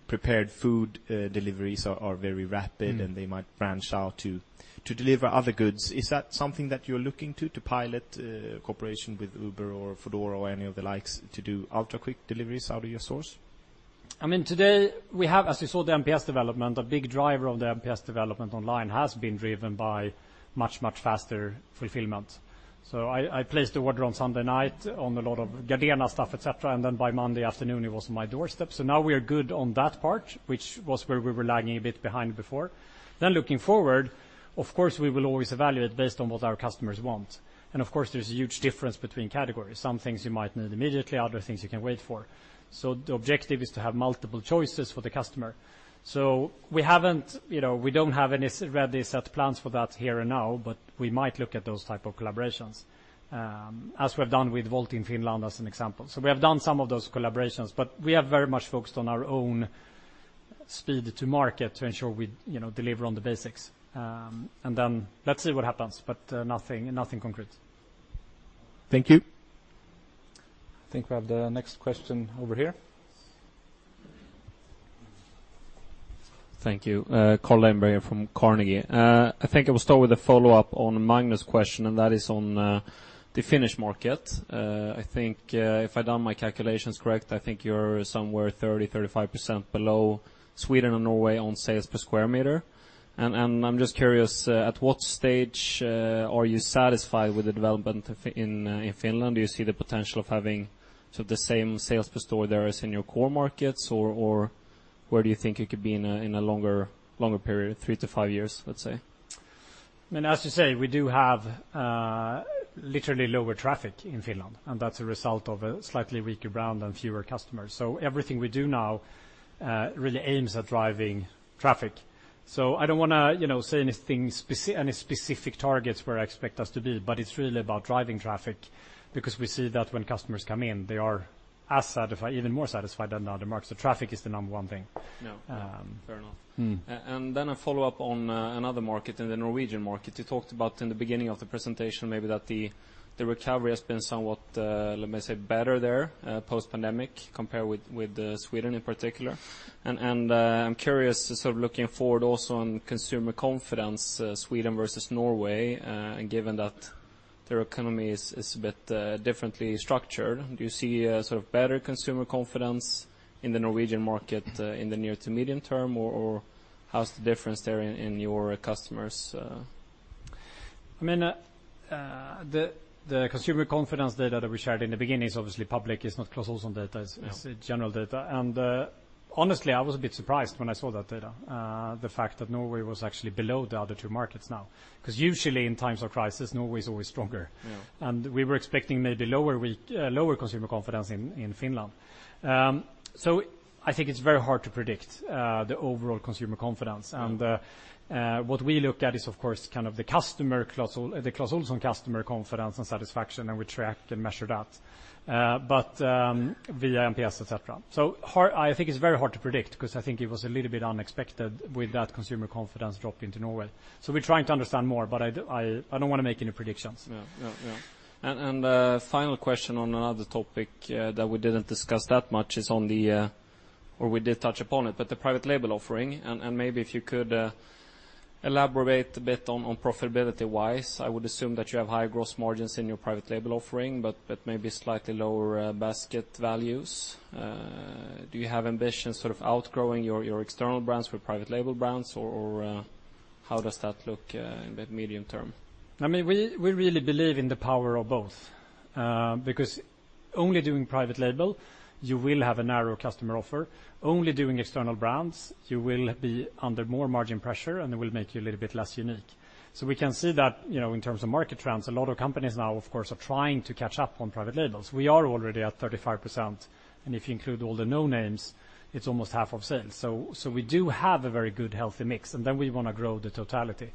prepared food deliveries are very rapid. They might branch out to deliver other goods. Is that something that you're looking to pilot cooperation with Uber or Foodora or any of the likes to do ultra-quick deliveries out of your stores? I mean, today we have, as you saw, the NPS development. A big driver of the NPS development online has been driven by much, much faster fulfillment. I placed the order on Sunday night on a lot of Gardena stuff, et cetera, and then by Monday afternoon it was on my doorstep. Now we are good on that part, which was where we were lagging a bit behind before. Looking forward, of course, we will always evaluate based on what our customers want. Of course, there's a huge difference between categories. Some things you might need immediately, other things you can wait for. The objective is to have multiple choices for the customer. We haven't, you know, we don't have any ready set plans for that here and now, but we might look at those type of collaborations, as we've done with Wolt in Finland as an example. We have done some of those collaborations, but we are very much focused on our own speed to market to ensure we, you know, deliver on the basics. Let's see what happens, but nothing concrete. Thank you. I think we have the next question over here. Thank you. Carl-Johan Leinberger from Carnegie. I think I will start with a follow-up on Magnus' question, and that is on the Finnish market. I think, if I've done my calculations correct, I think you're somewhere 30%-35% below Sweden and Norway on sales per square meter. I'm just curious, at what stage are you satisfied with the development in Finland? Do you see the potential of having sort of the same sales per store there as in your core markets? Or where do you think it could be in a longer period, three to five years, let's say? I mean, as you say, we do have literally lower traffic in Finland, and that's a result of a slightly weaker brand and fewer customers. Everything we do now really aims at driving traffic. I don't wanna, you know, say anything any specific targets where I expect us to be, but it's really about driving traffic because we see that when customers come in, they are as even more satisfied than the other markets. The traffic is the number one thing. Yeah. Yeah. Fair enough. A follow-up on another market, in the Norwegian market. You talked about in the beginning of the presentation maybe that the recovery has been somewhat, let me say, better there, post-pandemic compared with Sweden in particular. I'm curious sort of looking forward also on consumer confidence, Sweden versus Norway, and given that their economy is a bit differently structured. Do you see a sort of better consumer confidence in the Norwegian market, in the near to medium term, or how's the difference there in your customers? I mean, the consumer confidence data that we shared in the beginning is obviously public. It's not Clas Ohlson data. Yeah. It's general data. Honestly, I was a bit surprised when I saw that data, the fact that Norway was actually below the other two markets now. 'Cause usually in times of crisis, Norway's always stronger. Yeah. We were expecting maybe lower consumer confidence in Finland. I think it's very hard to predict the overall consumer confidence. Yeah. What we look at is, of course, kind of the Clas Ohlson customer confidence and satisfaction, and we track and measure that via NPS, et cetera. I think it's very hard to predict 'cause I think it was a little bit unexpected with that consumer confidence drop in Norway. We're trying to understand more, but I don't wanna make any predictions. Yeah. Final question on another topic that we didn't discuss that much is on the private label offering. Or we did touch upon it, but maybe if you could elaborate a bit on profitability-wise. I would assume that you have higher gross margins in your private label offering but maybe slightly lower basket values. Do you have ambitions sort of outgrowing your external brands with private label brands or how does that look in the medium term? I mean, we really believe in the power of both. Because only doing private label, you will have a narrow customer offer. Only doing external brands, you will be under more margin pressure, and it will make you a little bit less unique. We can see that, you know, in terms of market trends, a lot of companies now, of course, are trying to catch up on private labels. We are already at 35%, and if you include all the no-names, it's almost half of sales. We do have a very good, healthy mix, and then we wanna grow the totality.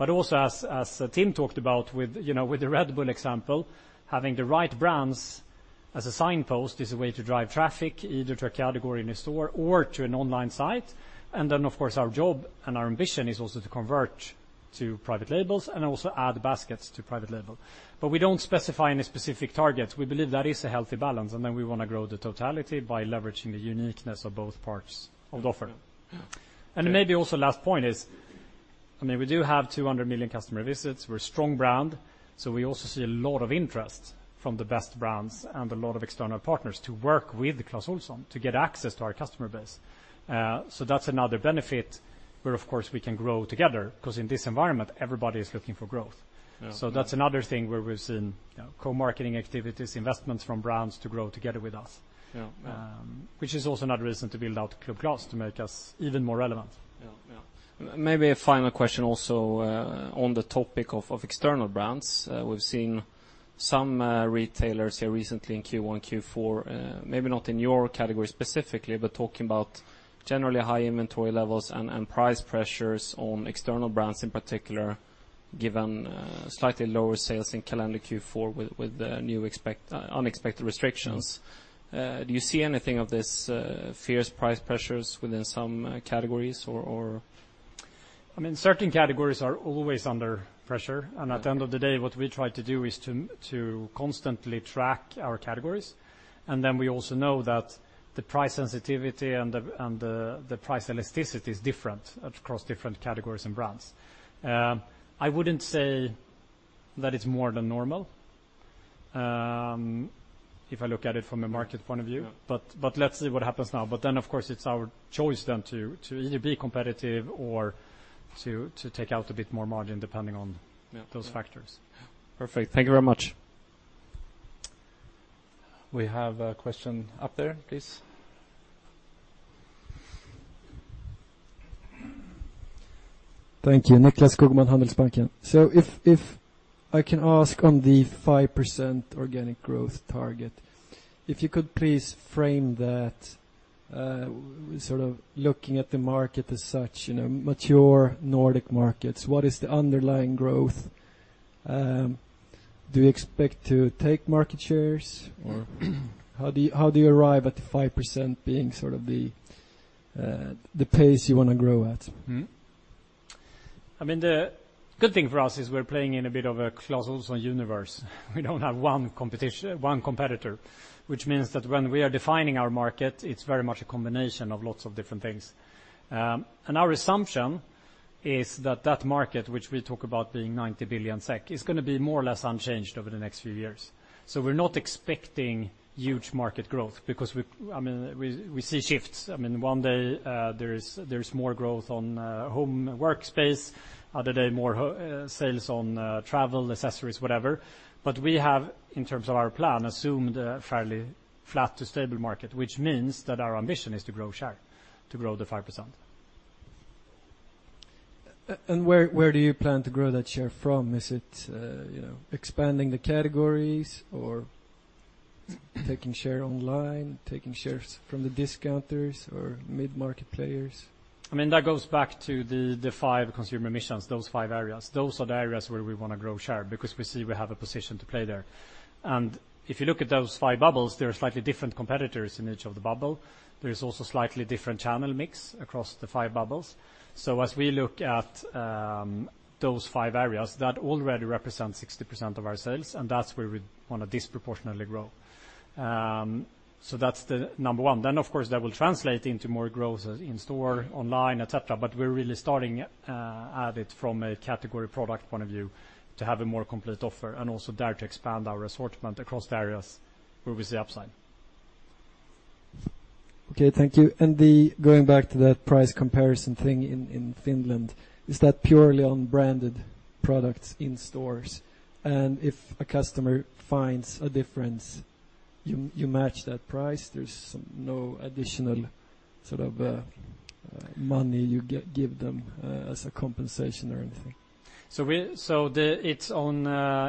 Also as Tim talked about with, you know, with the Red Bull example, having the right brands as a signpost is a way to drive traffic either to a category in a store or to an online site. Of course, our job and our ambition is also to convert to private labels and also add baskets to private label. We don't specify any specific targets. We believe that is a healthy balance, and then we wanna grow the totality by leveraging the uniqueness of both parts of the offer. Yeah. Yeah. Maybe also last point is, I mean, we do have 200 million customer visits. We're a strong brand, so we also see a lot of interest from the best brands and a lot of external partners to work with Clas Ohlson to get access to our customer base. That's another benefit where, of course, we can grow together, 'cause in this environment, everybody is looking for growth. Yeah. Yeah. That's another thing where we've seen, you know, co-marketing activities, investments from brands to grow together with us. Yeah. Yeah. Which is also another reason to build out Club Clas to make us even more relevant. Yeah. Yeah. Maybe a final question also on the topic of external brands. We've seen some retailers here recently in Q1, Q4, maybe not in your category specifically, but talking about generally high inventory levels and price pressures on external brands in particular. Given slightly lower sales in calendar Q4 with the new unexpected restrictions, do you see anything of this fierce price pressures within some categories or... I mean, certain categories are always under pressure. Okay. At the end of the day, what we try to do is to constantly track our categories. We also know that the price sensitivity and the price elasticity is different across different categories and brands. I wouldn't say that it's more than normal, if I look at it from a market point of view. Yeah. Let's see what happens now. Of course, it's our choice then to either be competitive or to take out a bit more margin depending on. Yeah those factors. Yeah. Perfect. Thank you very much. We have a question up there, please. Thank you. Niklas Gugenheim, Handelsbanken. If I can ask on the 5% organic growth target, if you could please frame that, sort of looking at the market as such, you know, mature Nordic markets, what is the underlying growth? Do you expect to take market shares? Or how do you arrive at the 5% being sort of the pace you wanna grow at? I mean, the good thing for us is we're playing in a bit of a Clas Ohlson universe. We don't have one competitor, which means that when we are defining our market, it's very much a combination of lots of different things. Our assumption is that that market, which we talk about being 90 billion SEK, is gonna be more or less unchanged over the next few years. We're not expecting huge market growth because I mean, we see shifts. I mean, one day there is more growth on home and workspace, other day more sales on travel accessories, whatever. We have, in terms of our plan, assumed a fairly flat to stable market, which means that our ambition is to grow share, to grow the 5%. Where do you plan to grow that share from? Is it, you know, expanding the categories or taking share online, taking shares from the discounters or mid-market players? I mean, that goes back to the five consumer missions, those five areas. Those are the areas where we wanna grow share because we see we have a position to play there. If you look at those five bubbles, there are slightly different competitors in each of the bubbles. There is also slightly different channel mix across the five bubbles. As we look at those five areas, that already represents 60% of our sales, and that's where we wanna disproportionately grow. That's the number one. Then, of course, that will translate into more growth in store, online, et cetera. We're really starting at it from a category product point of view to have a more complete offer, and also dare to expand our assortment across the areas where we see upside. Okay, thank you. Going back to that price comparison thing in Finland, is that purely on branded products in stores? If a customer finds a difference, you match that price? There's no additional sort of money you give them as a compensation or anything? It's on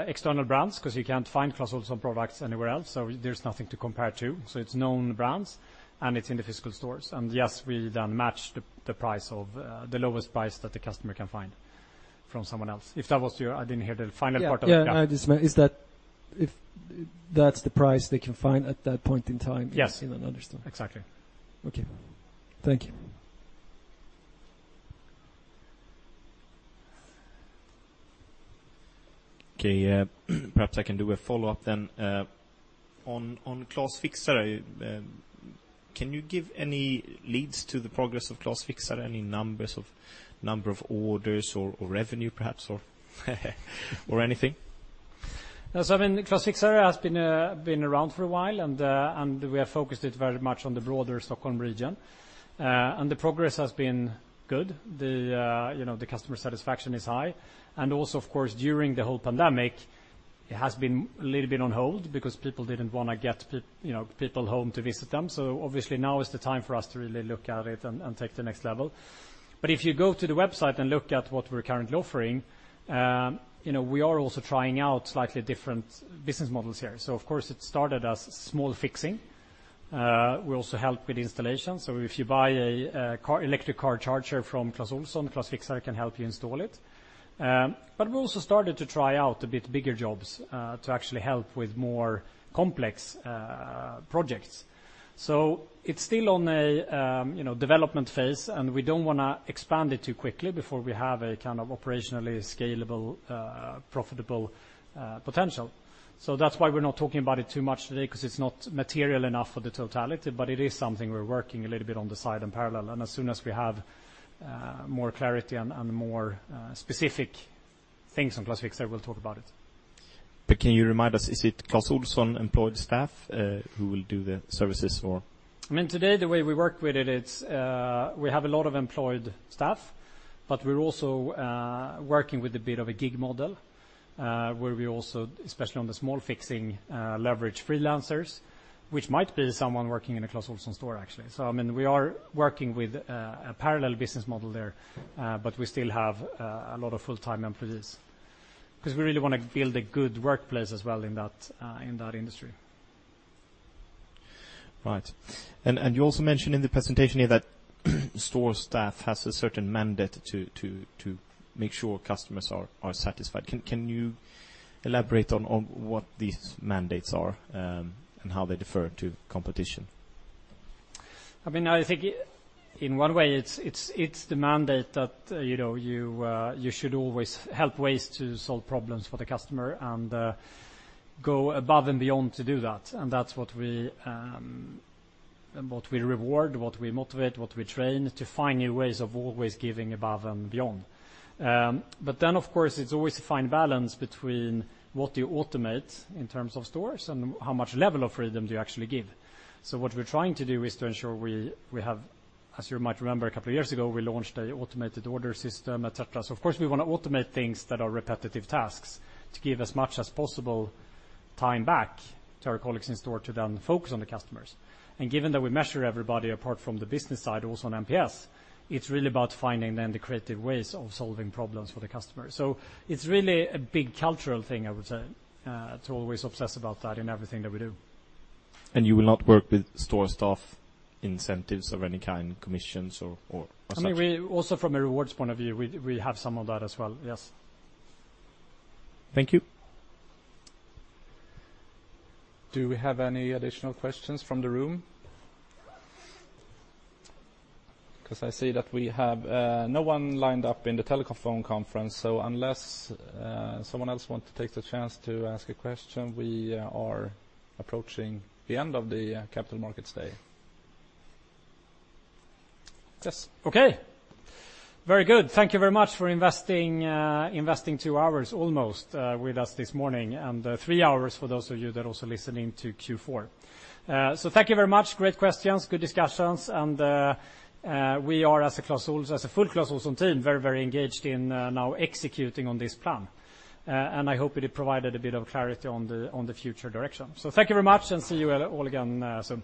external brands 'cause you can't find Clas Ohlson products anywhere else, so there's nothing to compare to. It's known brands, and it's in the physical stores. Yes, we then match the price of the lowest price that the customer can find from someone else. If that was your. I didn't hear the final part of that. Yeah. If that's the price they can find at that point in time. Yes is, you know, understood. Exactly. Okay. Thank you. Okay. Perhaps I can do a follow-up then on Clas Fixare. Can you give any leads on the progress of Clas Fixare? Any number of orders or revenue perhaps or anything? I mean, Clas Fixare has been around for a while, and we have focused it very much on the broader Stockholm region. The progress has been good. The, you know, the customer satisfaction is high. Also, of course, during the whole pandemic, it has been a little bit on hold because people didn't wanna get people home to visit them. Obviously now is the time for us to really look at it and take the next level. But if you go to the website and look at what we're currently offering, you know, we are also trying out slightly different business models here. Of course, it started as small fixing. We also help with installation. If you buy an electric car charger from Clas Ohlson, Clas Fixare can help you install it. We also started to try out a bit bigger jobs to actually help with more complex projects. It's still on a you know development phase, and we don't wanna expand it too quickly before we have a kind of operationally scalable profitable potential. That's why we're not talking about it too much today, 'cause it's not material enough for the totality, but it is something we're working a little bit on the side in parallel. As soon as we have more clarity and more specific things on Clas Fixare, we'll talk about it. Can you remind us, is it Clas Ohlson employed staff who will do the services or? I mean, today, the way we work with it's, we have a lot of employed staff, but we're also, working with a bit of a gig model, where we also, especially on the small fixing, leverage freelancers, which might be someone working in a Clas Ohlson store, actually. I mean, we are working with, a parallel business model there, but we still have, a lot of full-time employees. 'Cause we really wanna build a good workplace as well in that, in that industry. Right. You also mentioned in the presentation here that store staff has a certain mandate to make sure customers are satisfied. Can you elaborate on what these mandates are, and how they differ to competition? I mean, I think in one way it's the mandate that, you know, you should always help ways to solve problems for the customer and, go above and beyond to do that. That's what we reward, what we motivate, what we train, to find new ways of always giving above and beyond. Of course, it's always a fine balance between what you automate in terms of stores and what level of freedom do you actually give. What we're trying to do is to ensure we have. As you might remember, a couple of years ago, we launched an automated order system, et cetera. Of course we wanna automate things that are repetitive tasks to give as much as possible time back to our colleagues in store to then focus on the customers. Given that we measure everybody apart from the business side also on NPS, it's really about finding then the creative ways of solving problems for the customer. It's really a big cultural thing, I would say, to always obsess about that in everything that we do. You will not work with store staff incentives of any kind, commissions or as such? I mean, we also from a rewards point of view, we have some of that as well, yes. Thank you. Do we have any additional questions from the room? 'Cause I see that we have no one lined up in the teleconference. So unless someone else wants to take the chance to ask a question, we are approaching the end of the Capital Markets Day. Yes. Okay. Very good. Thank you very much for investing two hours almost with us this morning, and three hours for those of you that are also listening to Q4. So thank you very much. Great questions, good discussions, and we are as a full Clas Ohlson team, very, very engaged in now executing on this plan. And I hope it provided a bit of clarity on the future direction. So thank you very much, and see you all again soon.